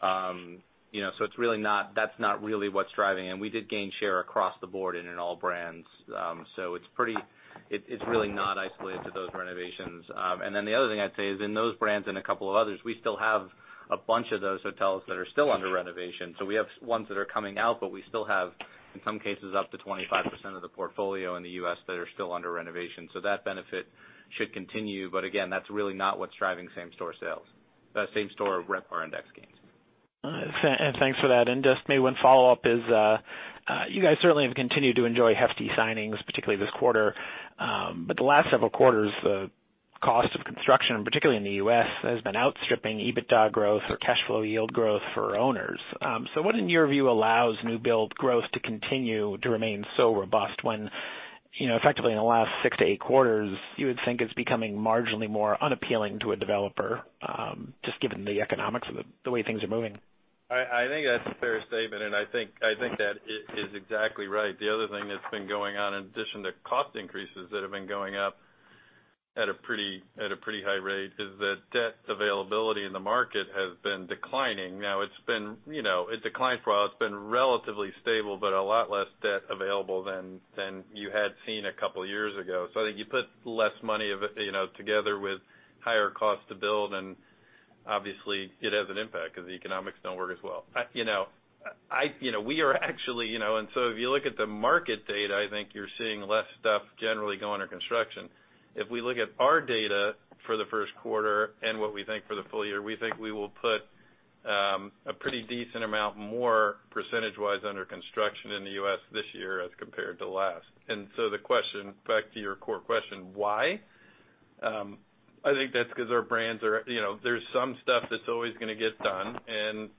That is not really what is driving. We did gain share across the board and in all brands. It is really not isolated to those renovations. Then the other thing I would say is in those brands and a couple of others, we still have a bunch of those hotels that are still under renovation. We have ones that are coming out, but we still have, in some cases, up to 25% of the portfolio in the U.S. that are still under renovation. That benefit should continue. But again, that is really not what is driving same store sales. Same store RevPAR index gains. Thanks for that. Just maybe one follow-up is, you guys certainly have continued to enjoy hefty signings, particularly this quarter. The last several quarters, the cost of construction, particularly in the U.S., has been outstripping EBITDA growth or cash flow yield growth for owners. What, in your view, allows new build growth to continue to remain so robust when, effectively in the last six to eight quarters, you would think it's becoming marginally more unappealing to a developer, just given the economics of the way things are moving? I think that's a fair statement, and I think that is exactly right. The other thing that's been going on, in addition to cost increases that have been going up at a pretty high rate, is that debt availability in the market has been declining. Now, it declined for while. It's been relatively stable, but a lot less debt available than you had seen a couple of years ago. I think you put less money together with higher cost to build, and obviously it has an impact because the economics don't work as well. If you look at the market data, I think you're seeing less stuff generally go under construction. If we look at our data for the first quarter and what we think for the full year, we think we will put a pretty decent amount more percentage-wise under construction in the U.S. this year as compared to last. Back to your core question, why? I think that's because there's some stuff that's always going to get done and,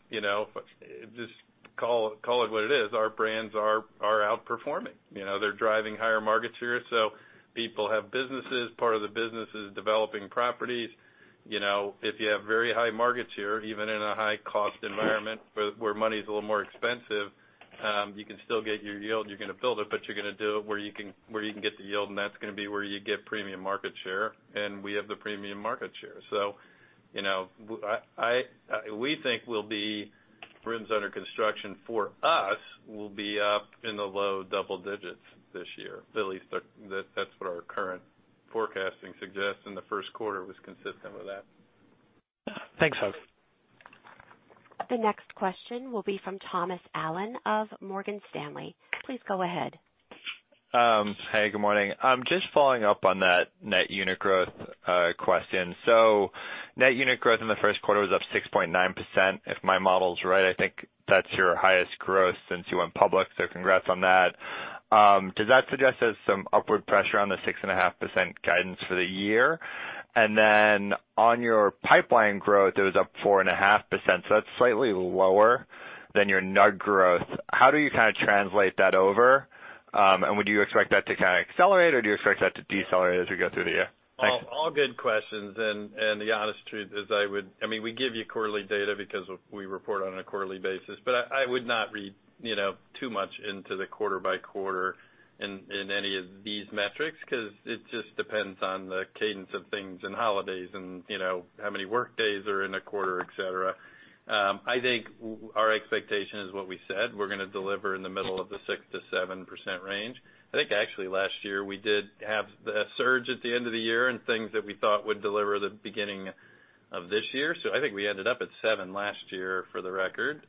just call it what it is, our brands are outperforming. They're driving higher market share, so people have businesses. Part of the business is developing properties. If you have very high market share, even in a high-cost environment where money's a little more expensive, you can still get your yield and you're going to build it, but you're going to do it where you can get the yield, and that's going to be where you get premium market share. We have the premium market share. We think rooms under construction for us will be up in the low double digits this year. At least that's what our current forecasting suggests, and the first quarter was consistent with that. Thanks, folks. The next question will be from Thomas Allen of Morgan Stanley. Please go ahead. Hey, good morning. Just following up on that net unit growth question. Net unit growth in the first quarter was up 6.9%, if my model's right. I think that's your highest growth since you went public, so congrats on that. Does that suggest there's some upward pressure on the 6.5% guidance for the year? On your pipeline growth, it was up 4.5%, so that's slightly lower than your NUG growth. How do you kind of translate that over? Would you expect that to kind of accelerate, or do you expect that to decelerate as we go through the year? Thanks. All good questions. The honest truth is, we give you quarterly data because we report on a quarterly basis, I would not read too much into the quarter by quarter in any of these metrics, because it just depends on the cadence of things and holidays and how many work days are in a quarter, et cetera. I think our expectation is what we said. We're going to deliver in the middle of the 6%-7% range. I think actually last year we did have a surge at the end of the year in things that we thought would deliver the beginning of this year. I think we ended up at seven last year for the record.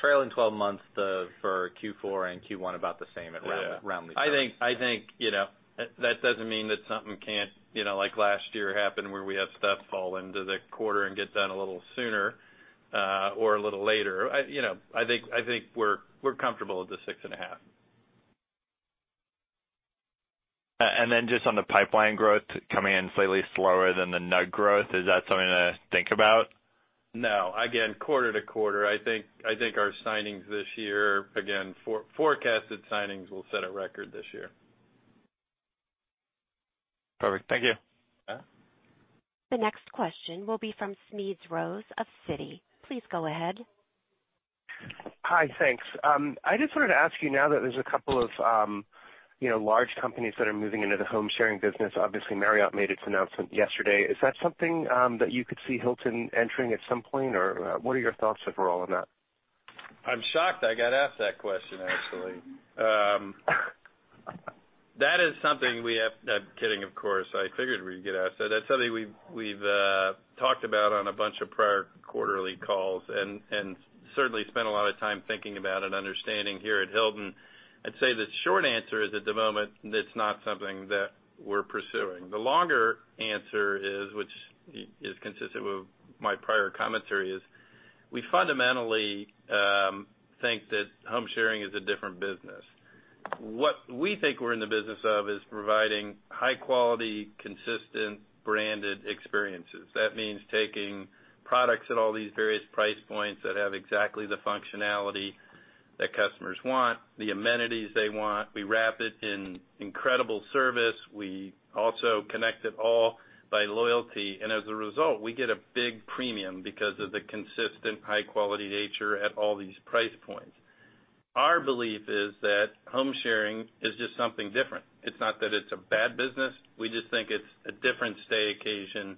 Trailing 12 months for Q4 and Q1, about the same at roundly six. Yeah. I think that doesn't mean that something can't like last year happen where we have stuff fall into the quarter and get done a little sooner or a little later. I think we're comfortable with the 6.5. Just on the pipeline growth coming in slightly slower than the NUG growth, is that something to think about? No. Again, quarter-to-quarter, I think our signings this year, again, forecasted signings will set a record this year. Perfect. Thank you. Yeah. The next question will be from Smedes Rose of Citi. Please go ahead. Hi, thanks. I just wanted to ask you now that there's a couple of large companies that are moving into the home sharing business. Obviously, Marriott made its announcement yesterday. Is that something that you could see Hilton entering at some point? Or what are your thoughts overall on that? I'm shocked I got asked that question, actually. That is something I'm kidding, of course. I figured we'd get asked that. That's something we've talked about on a bunch of prior quarterly calls and certainly spent a lot of time thinking about and understanding here at Hilton. I'd say the short answer is, at the moment, that's not something that we're pursuing. The longer answer is, which is consistent with my prior commentary, is we fundamentally think that home sharing is a different business. What we think we're in the business of is providing high quality, consistent, branded experiences. That means taking products at all these various price points that have exactly the functionality that customers want, the amenities they want. We wrap it in incredible service. We also connect it all by loyalty. As a result, we get a big premium because of the consistent high-quality nature at all these price points. Our belief is that home sharing is just something different. It's not that it's a bad business. We just think it's a different stay occasion,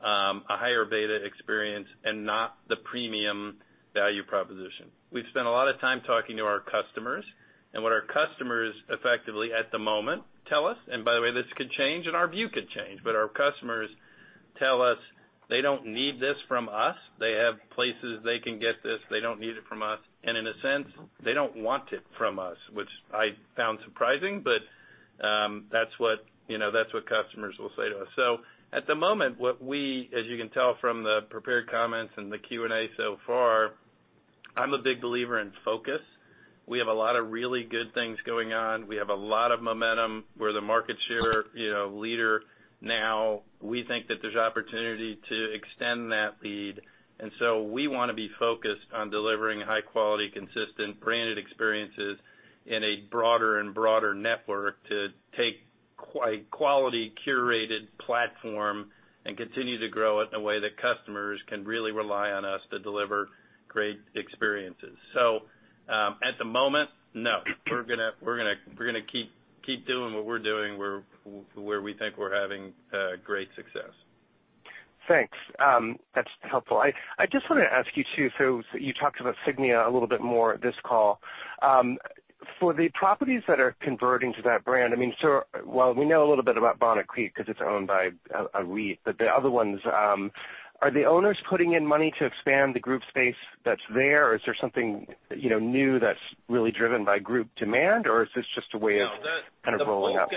a higher beta experience, not the premium value proposition. We've spent a lot of time talking to our customers. What our customers effectively, at the moment, tell us, by the way, this could change, our view could change, but our customers tell us they don't need this from us. They have places they can get this. They don't need it from us, in a sense, they don't want it from us, which I found surprising, but that's what customers will say to us. Thanks. At the moment, what we, as you can tell from the prepared comments, the Q&A so far, I'm a big believer in focus. We have a lot of really good things going on. We have a lot of momentum. We're the market share leader now. We think that there's opportunity to extend that lead. We want to be focused on delivering high-quality, consistent branded experiences in a broader and broader network to take a quality curated platform and continue to grow it in a way that customers can really rely on us to deliver great experiences. At the moment, no. We're going to keep doing what we're doing, where we think we're having great success. Thanks. That's helpful. I just want to ask you too. You talked about Signia a little bit more this call. For the properties that are converting to that brand, we know a little bit about Bonnet Creek because it's owned by a REIT. The other ones, are the owners putting in money to expand the group space that's there, is there something new that's really driven by group demand, is this just a way of kind of rolling out?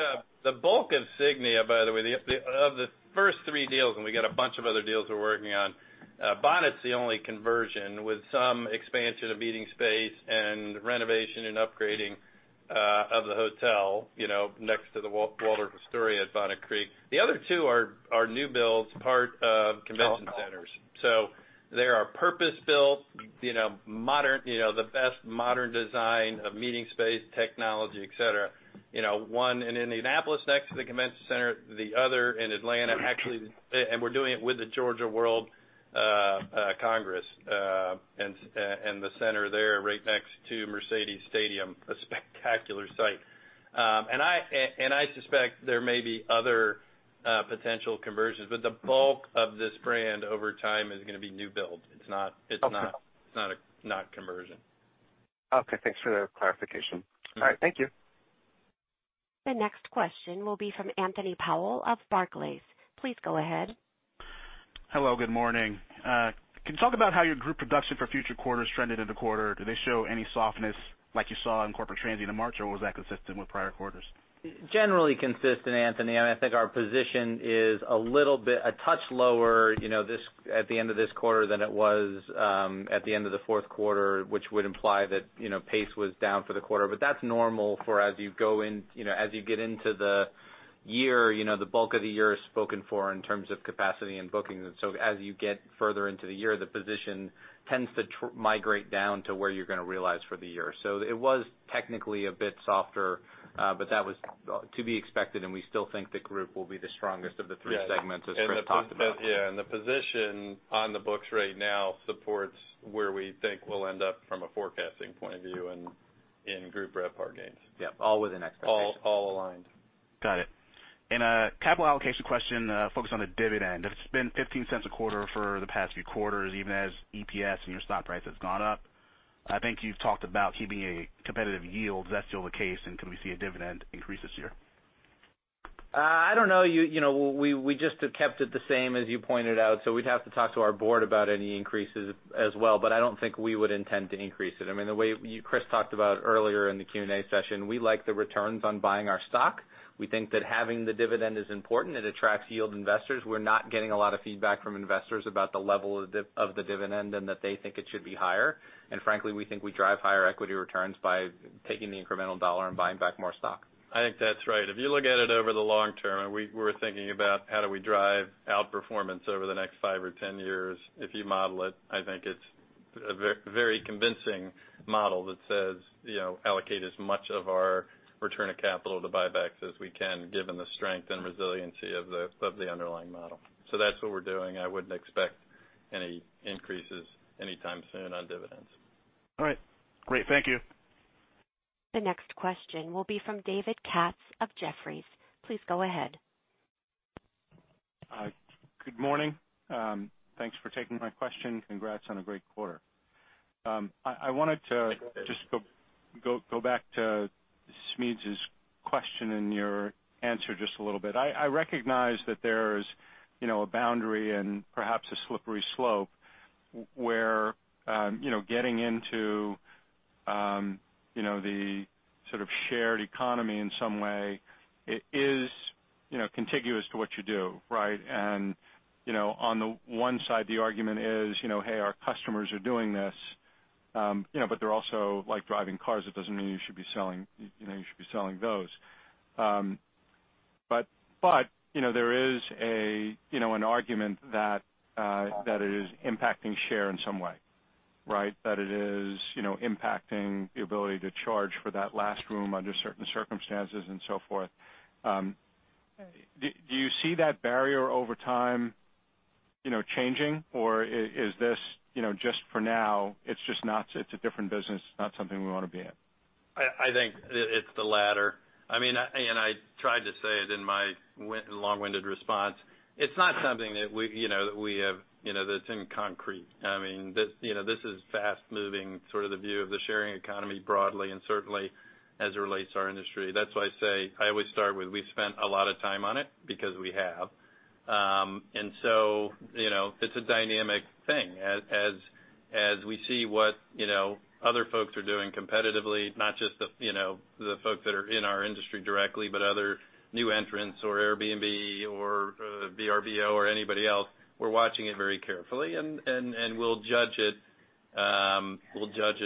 The bulk of Signia, by the way, of the first three deals. We got a bunch of other deals we're working on. Bonnet's the only conversion with some expansion of meeting space and renovation and upgrading of the hotel next to the Waldorf Astoria at Bonnet Creek. The other two are new builds, part of convention centers. They are purpose-built, the best modern design of meeting space, technology, et cetera. One in Indianapolis next to the convention center, the other in Atlanta, actually. We're doing it with the Georgia World Congress, the center there right next to Mercedes Stadium, a spectacular site. I suspect there may be other potential conversions, but the bulk of this brand over time is going to be new build. It's not conversion. Okay, thanks for the clarification. All right, thank you. The next question will be from Anthony Powell of Barclays. Please go ahead. Hello, good morning. Can you talk about how your group production for future quarters trended in the quarter? Do they show any softness like you saw in corporate transient in March, or was that consistent with prior quarters? Generally consistent, Anthony. I think our position is a little bit, a touch lower at the end of this quarter than it was at the end of the fourth quarter, which would imply that pace was down for the quarter. That's normal for as you get into the year, the bulk of the year is spoken for in terms of capacity and bookings. As you get further into the year, the position tends to migrate down to where you're going to realize for the year. It was technically a bit softer, but that was to be expected, and we still think the group will be the strongest of the three segments, as Chris talked about. The position on the books right now supports where we think we'll end up from a forecasting point of view in group RevPAR gains. All within expectations. All aligned. Got it. In a capital allocation question, focused on the dividend. It's been $0.15 a quarter for the past few quarters, even as EPS and your stock price has gone up. I think you've talked about keeping a competitive yield. Is that still the case, and can we see a dividend increase this year? I don't know. We just have kept it the same, as you pointed out, so we'd have to talk to our board about any increases as well. I don't think we would intend to increase it. The way Chris talked about earlier in the Q&A session, we like the returns on buying our stock. We think that having the dividend is important. It attracts yield investors. We're not getting a lot of feedback from investors about the level of the dividend and that they think it should be higher. Frankly, we think we drive higher equity returns by taking the incremental dollar and buying back more stock. I think that's right. If you look at it over the long term, and we're thinking about how do we drive outperformance over the next five or 10 years, if you model it, I think it's a very convincing model that says allocate as much of our return of capital to buybacks as we can, given the strength and resiliency of the underlying model. That's what we're doing. I wouldn't expect any increases anytime soon on dividends. All right, great. Thank you. The next question will be from David Katz of Jefferies. Please go ahead. Good morning. Thanks for taking my question. Congrats on a great quarter. I wanted to just go back to Smedes' question and your answer just a little bit. I recognize that there's a boundary and perhaps a slippery slope where getting into the sort of shared economy in some way is contiguous to what you do, right? On the one side, the argument is, "Hey, our customers are doing this," but they're also driving cars. It doesn't mean you should be selling those. There is an argument that it is impacting share in some way, right? That it is impacting the ability to charge for that last room under certain circumstances and so forth. Do you see that barrier over time changing, or is this just for now, it's a different business, not something we want to be in? I think it's the latter. I tried to say it in my long-winded response. It's not something that's in concrete. This is fast-moving, sort of the view of the sharing economy broadly and certainly as it relates to our industry. That's why I say, I always start with, we spent a lot of time on it because we have. It's a dynamic thing. As we see what other folks are doing competitively, not just the folks that are in our industry directly, but other new entrants or Airbnb or Vrbo or anybody else, we're watching it very carefully, and we'll judge it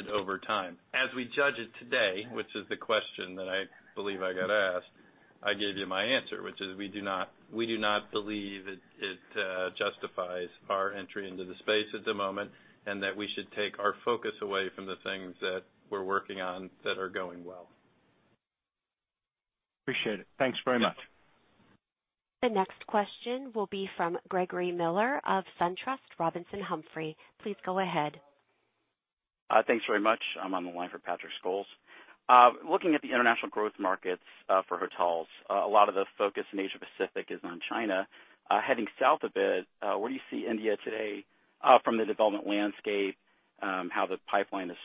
over time. As we judge it today, which is the question that I believe I got asked, I gave you my answer, which is we do not believe it justifies our entry into the space at the moment, and that we should take our focus away from the things that we're working on that are going well. Appreciate it. Thanks very much. Yeah. The next question will be from Gregory Miller of SunTrust Robinson Humphrey. Please go ahead. Thanks very much. I'm on the line for Patrick Scholes. Looking at the international growth markets, for hotels, a lot of the focus in Asia Pacific is on China. Heading south a bit, where do you see India today from the development landscape, how the pipeline is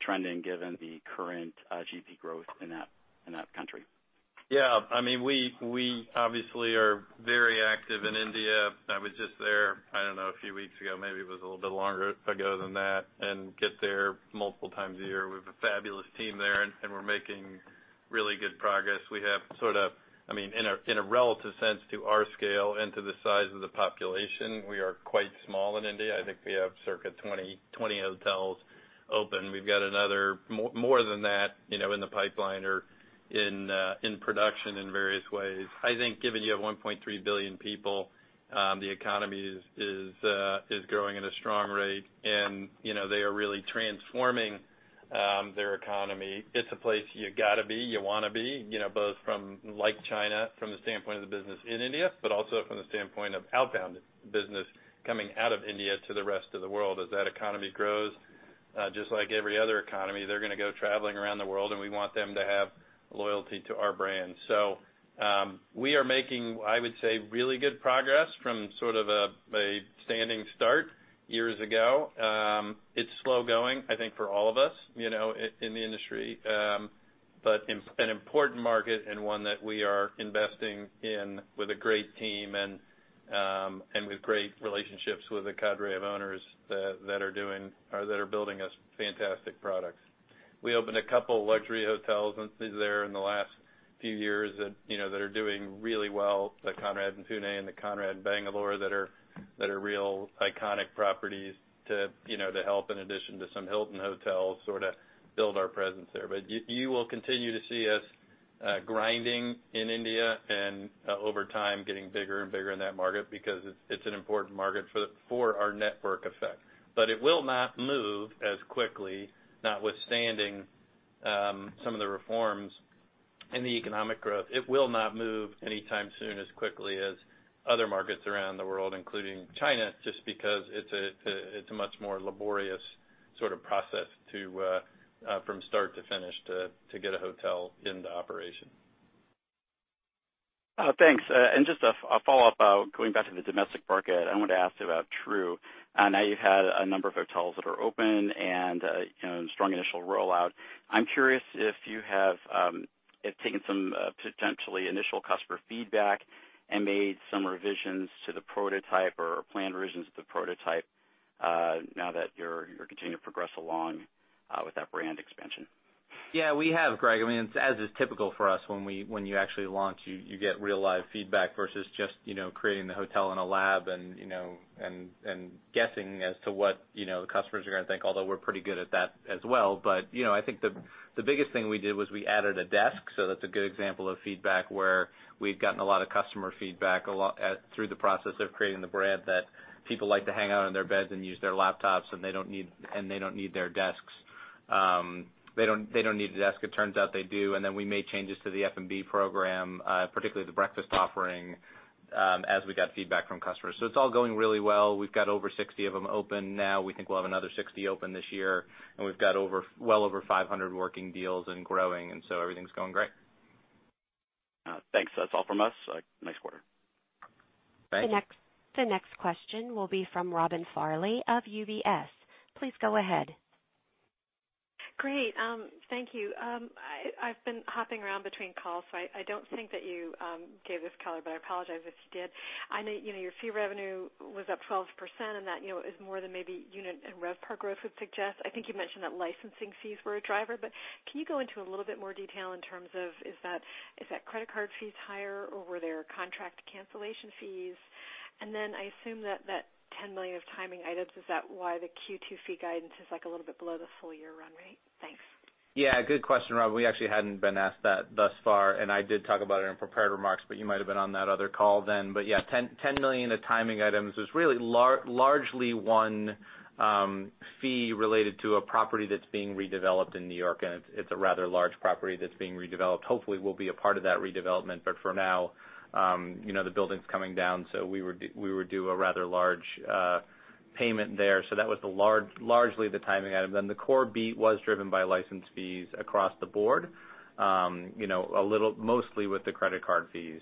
trending given the current GDP growth in that country? Yeah. We obviously are very active in India. I was just there, I don't know, a few weeks ago, maybe it was a little bit longer ago than that, and get there multiple times a year. We have a fabulous team there, and we're making really good progress. We have sort of in a relative sense to our scale and to the size of the population, we are quite small in India. I think we have circa 20 hotels open. We've got another more than that in the pipeline or in production in various ways. I think given you have 1.3 billion people, the economy is growing at a strong rate and they are really transforming their economy. It's a place you got to be, you want to be, both from like China, from the standpoint of the business in India, but also from the standpoint of outbound business coming out of India to the rest of the world. As that economy grows, just like every other economy, they're going to go traveling around the world, and we want them to have loyalty to our brand. We are making, I would say, really good progress from sort of a standing start years ago. It's slow going, I think, for all of us in the industry. An important market and one that we are investing in with a great team and with great relationships with a cadre of owners that are building us fantastic products. We opened a couple luxury hotels there in the last few years that are doing really well, the Conrad in Pune and the Conrad Bengaluru that are real iconic properties to help in addition to some Hilton Hotels, sort of build our presence there. You will continue to see us grinding in India and over time getting bigger and bigger in that market because it's an important market for our network effect. It will not move as quickly, notwithstanding some of the reforms in the economic growth. It will not move anytime soon as quickly as other markets around the world, including China, just because it's a much more laborious sort of process from start to finish to get a hotel into operation. Thanks. Just a follow-up, going back to the domestic market, I wanted to ask about Tru. I know you've had a number of hotels that are open and strong initial rollout. I'm curious if you have taken some potentially initial customer feedback and made some revisions to the prototype or planned revisions to the prototype, now that you're continuing to progress along with that brand expansion. Yeah, we have, Greg. As is typical for us, when you actually launch, you get real live feedback versus just creating the hotel in a lab and guessing as to what the customers are going to think, although we're pretty good at that as well. I think the biggest thing we did was we added a desk, that's a good example of feedback where we've gotten a lot of customer feedback through the process of creating the brand that people like to hang out in their beds and use their laptops, and they don't need their desks. They don't need to ask. It turns out they do. We made changes to the F&B program, particularly the breakfast offering, as we got feedback from customers. It's all going really well. We've got over 60 of them open now. We think we'll have another 60 open this year. We've got well over 500 working deals and growing. Everything's going great. Thanks. That's all from us. Nice quarter. Thanks. The next question will be from Robin Farley of UBS. Please go ahead. Great. Thank you. I've been hopping around between calls. I don't think that you gave this color, but I apologize if you did. I know your fee revenue was up 12%. That is more than maybe unit and RevPAR growth would suggest. I think you mentioned that licensing fees were a driver. Can you go into a little bit more detail in terms of, is that credit card fees higher, or were there contract cancellation fees? I assume that that $10 million of timing items, is that why the Q2 fee guidance is a little bit below the full-year run rate? Thanks. Good question, Robinn. We actually hadn't been asked that thus far, I did talk about it in prepared remarks, but you might've been on that other call then. Yeah, $10 million of timing items was really largely one fee related to a property that's being redeveloped in New York, and it's a rather large property that's being redeveloped. Hopefully, we'll be a part of that redevelopment, but for now, the building's coming down, so we would do a rather large payment there. That was largely the timing item. The core beat was driven by license fees across the board mostly with the credit card fees.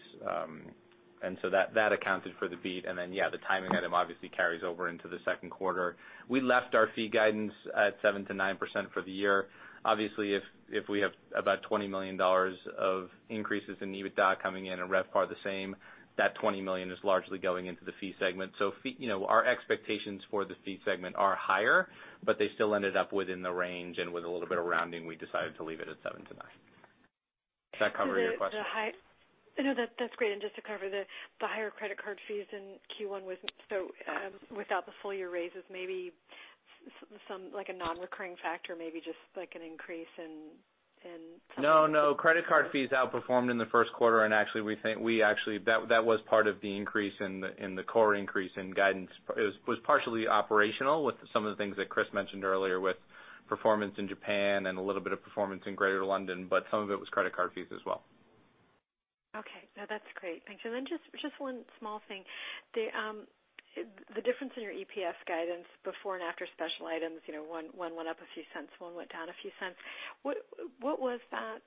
That accounted for the beat, yeah, the timing item obviously carries over into the second quarter. We left our fee guidance at 7%-9% for the year. Obviously, if we have about $20 million of increases in EBITDA coming in and RevPAR the same, that $20 million is largely going into the fee segment. Our expectations for the fee segment are higher, they still ended up within the range, and with a little bit of rounding, we decided to leave it at 7%-9%. Does that cover your question? No, that's great. Just to cover the higher credit card fees in Q1 was, without the full-year raises, maybe some like a non-recurring factor, maybe just like an increase in? No, no. Credit card fees outperformed in the first quarter. Actually that was part of the increase in the core increase in guidance. It was partially operational with some of the things that Chris mentioned earlier with performance in Japan and a little bit of performance in Greater London, some of it was credit card fees as well. Okay. No, that's great. Thanks. Just one small thing. The difference in your EPS guidance before and after special items, one went up a few cents, one went down a few cents. What was that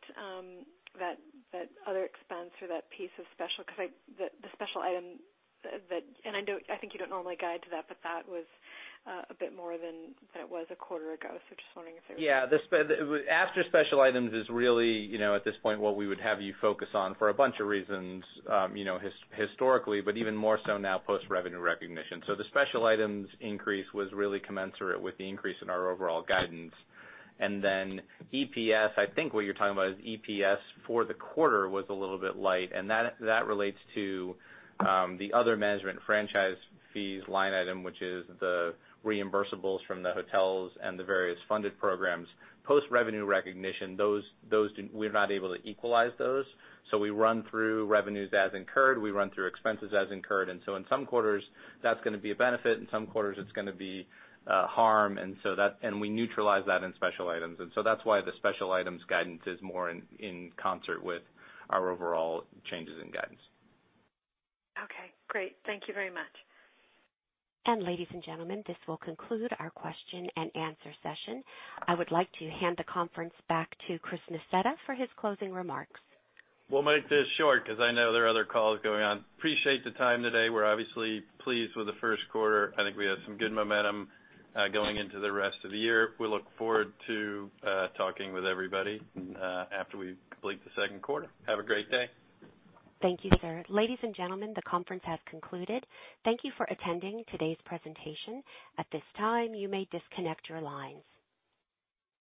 other expense or that piece of special? The special item, I think you don't normally guide to that, but that was a bit more than it was a quarter ago. Just wondering if there was. Yeah. After special items is really, at this point, what we would have you focus on for a bunch of reasons historically, but even more so now post-revenue recognition. The special items increase was really commensurate with the increase in our overall guidance. EPS, I think what you're talking about is EPS for the quarter was a little bit light, and that relates to the other management franchise fees line item, which is the reimbursables from the hotels and the various funded programs. Post-revenue recognition, we're not able to equalize those. We run through revenues as incurred, we run through expenses as incurred, and so in some quarters, that's gonna be a benefit, in some quarters, it's gonna be harm, and we neutralize that in special items. That's why the special items guidance is more in concert with our overall changes in guidance. Okay, great. Thank you very much. Ladies and gentlemen, this will conclude our question and answer session. I would like to hand the conference back to Chris Nassetta for his closing remarks. We'll make this short because I know there are other calls going on. Appreciate the time today. We're obviously pleased with the first quarter. I think we have some good momentum going into the rest of the year. We look forward to talking with everybody after we complete the second quarter. Have a great day. Thank you, sir. Ladies and gentlemen, the conference has concluded. Thank you for attending today's presentation. At this time, you may disconnect your lines.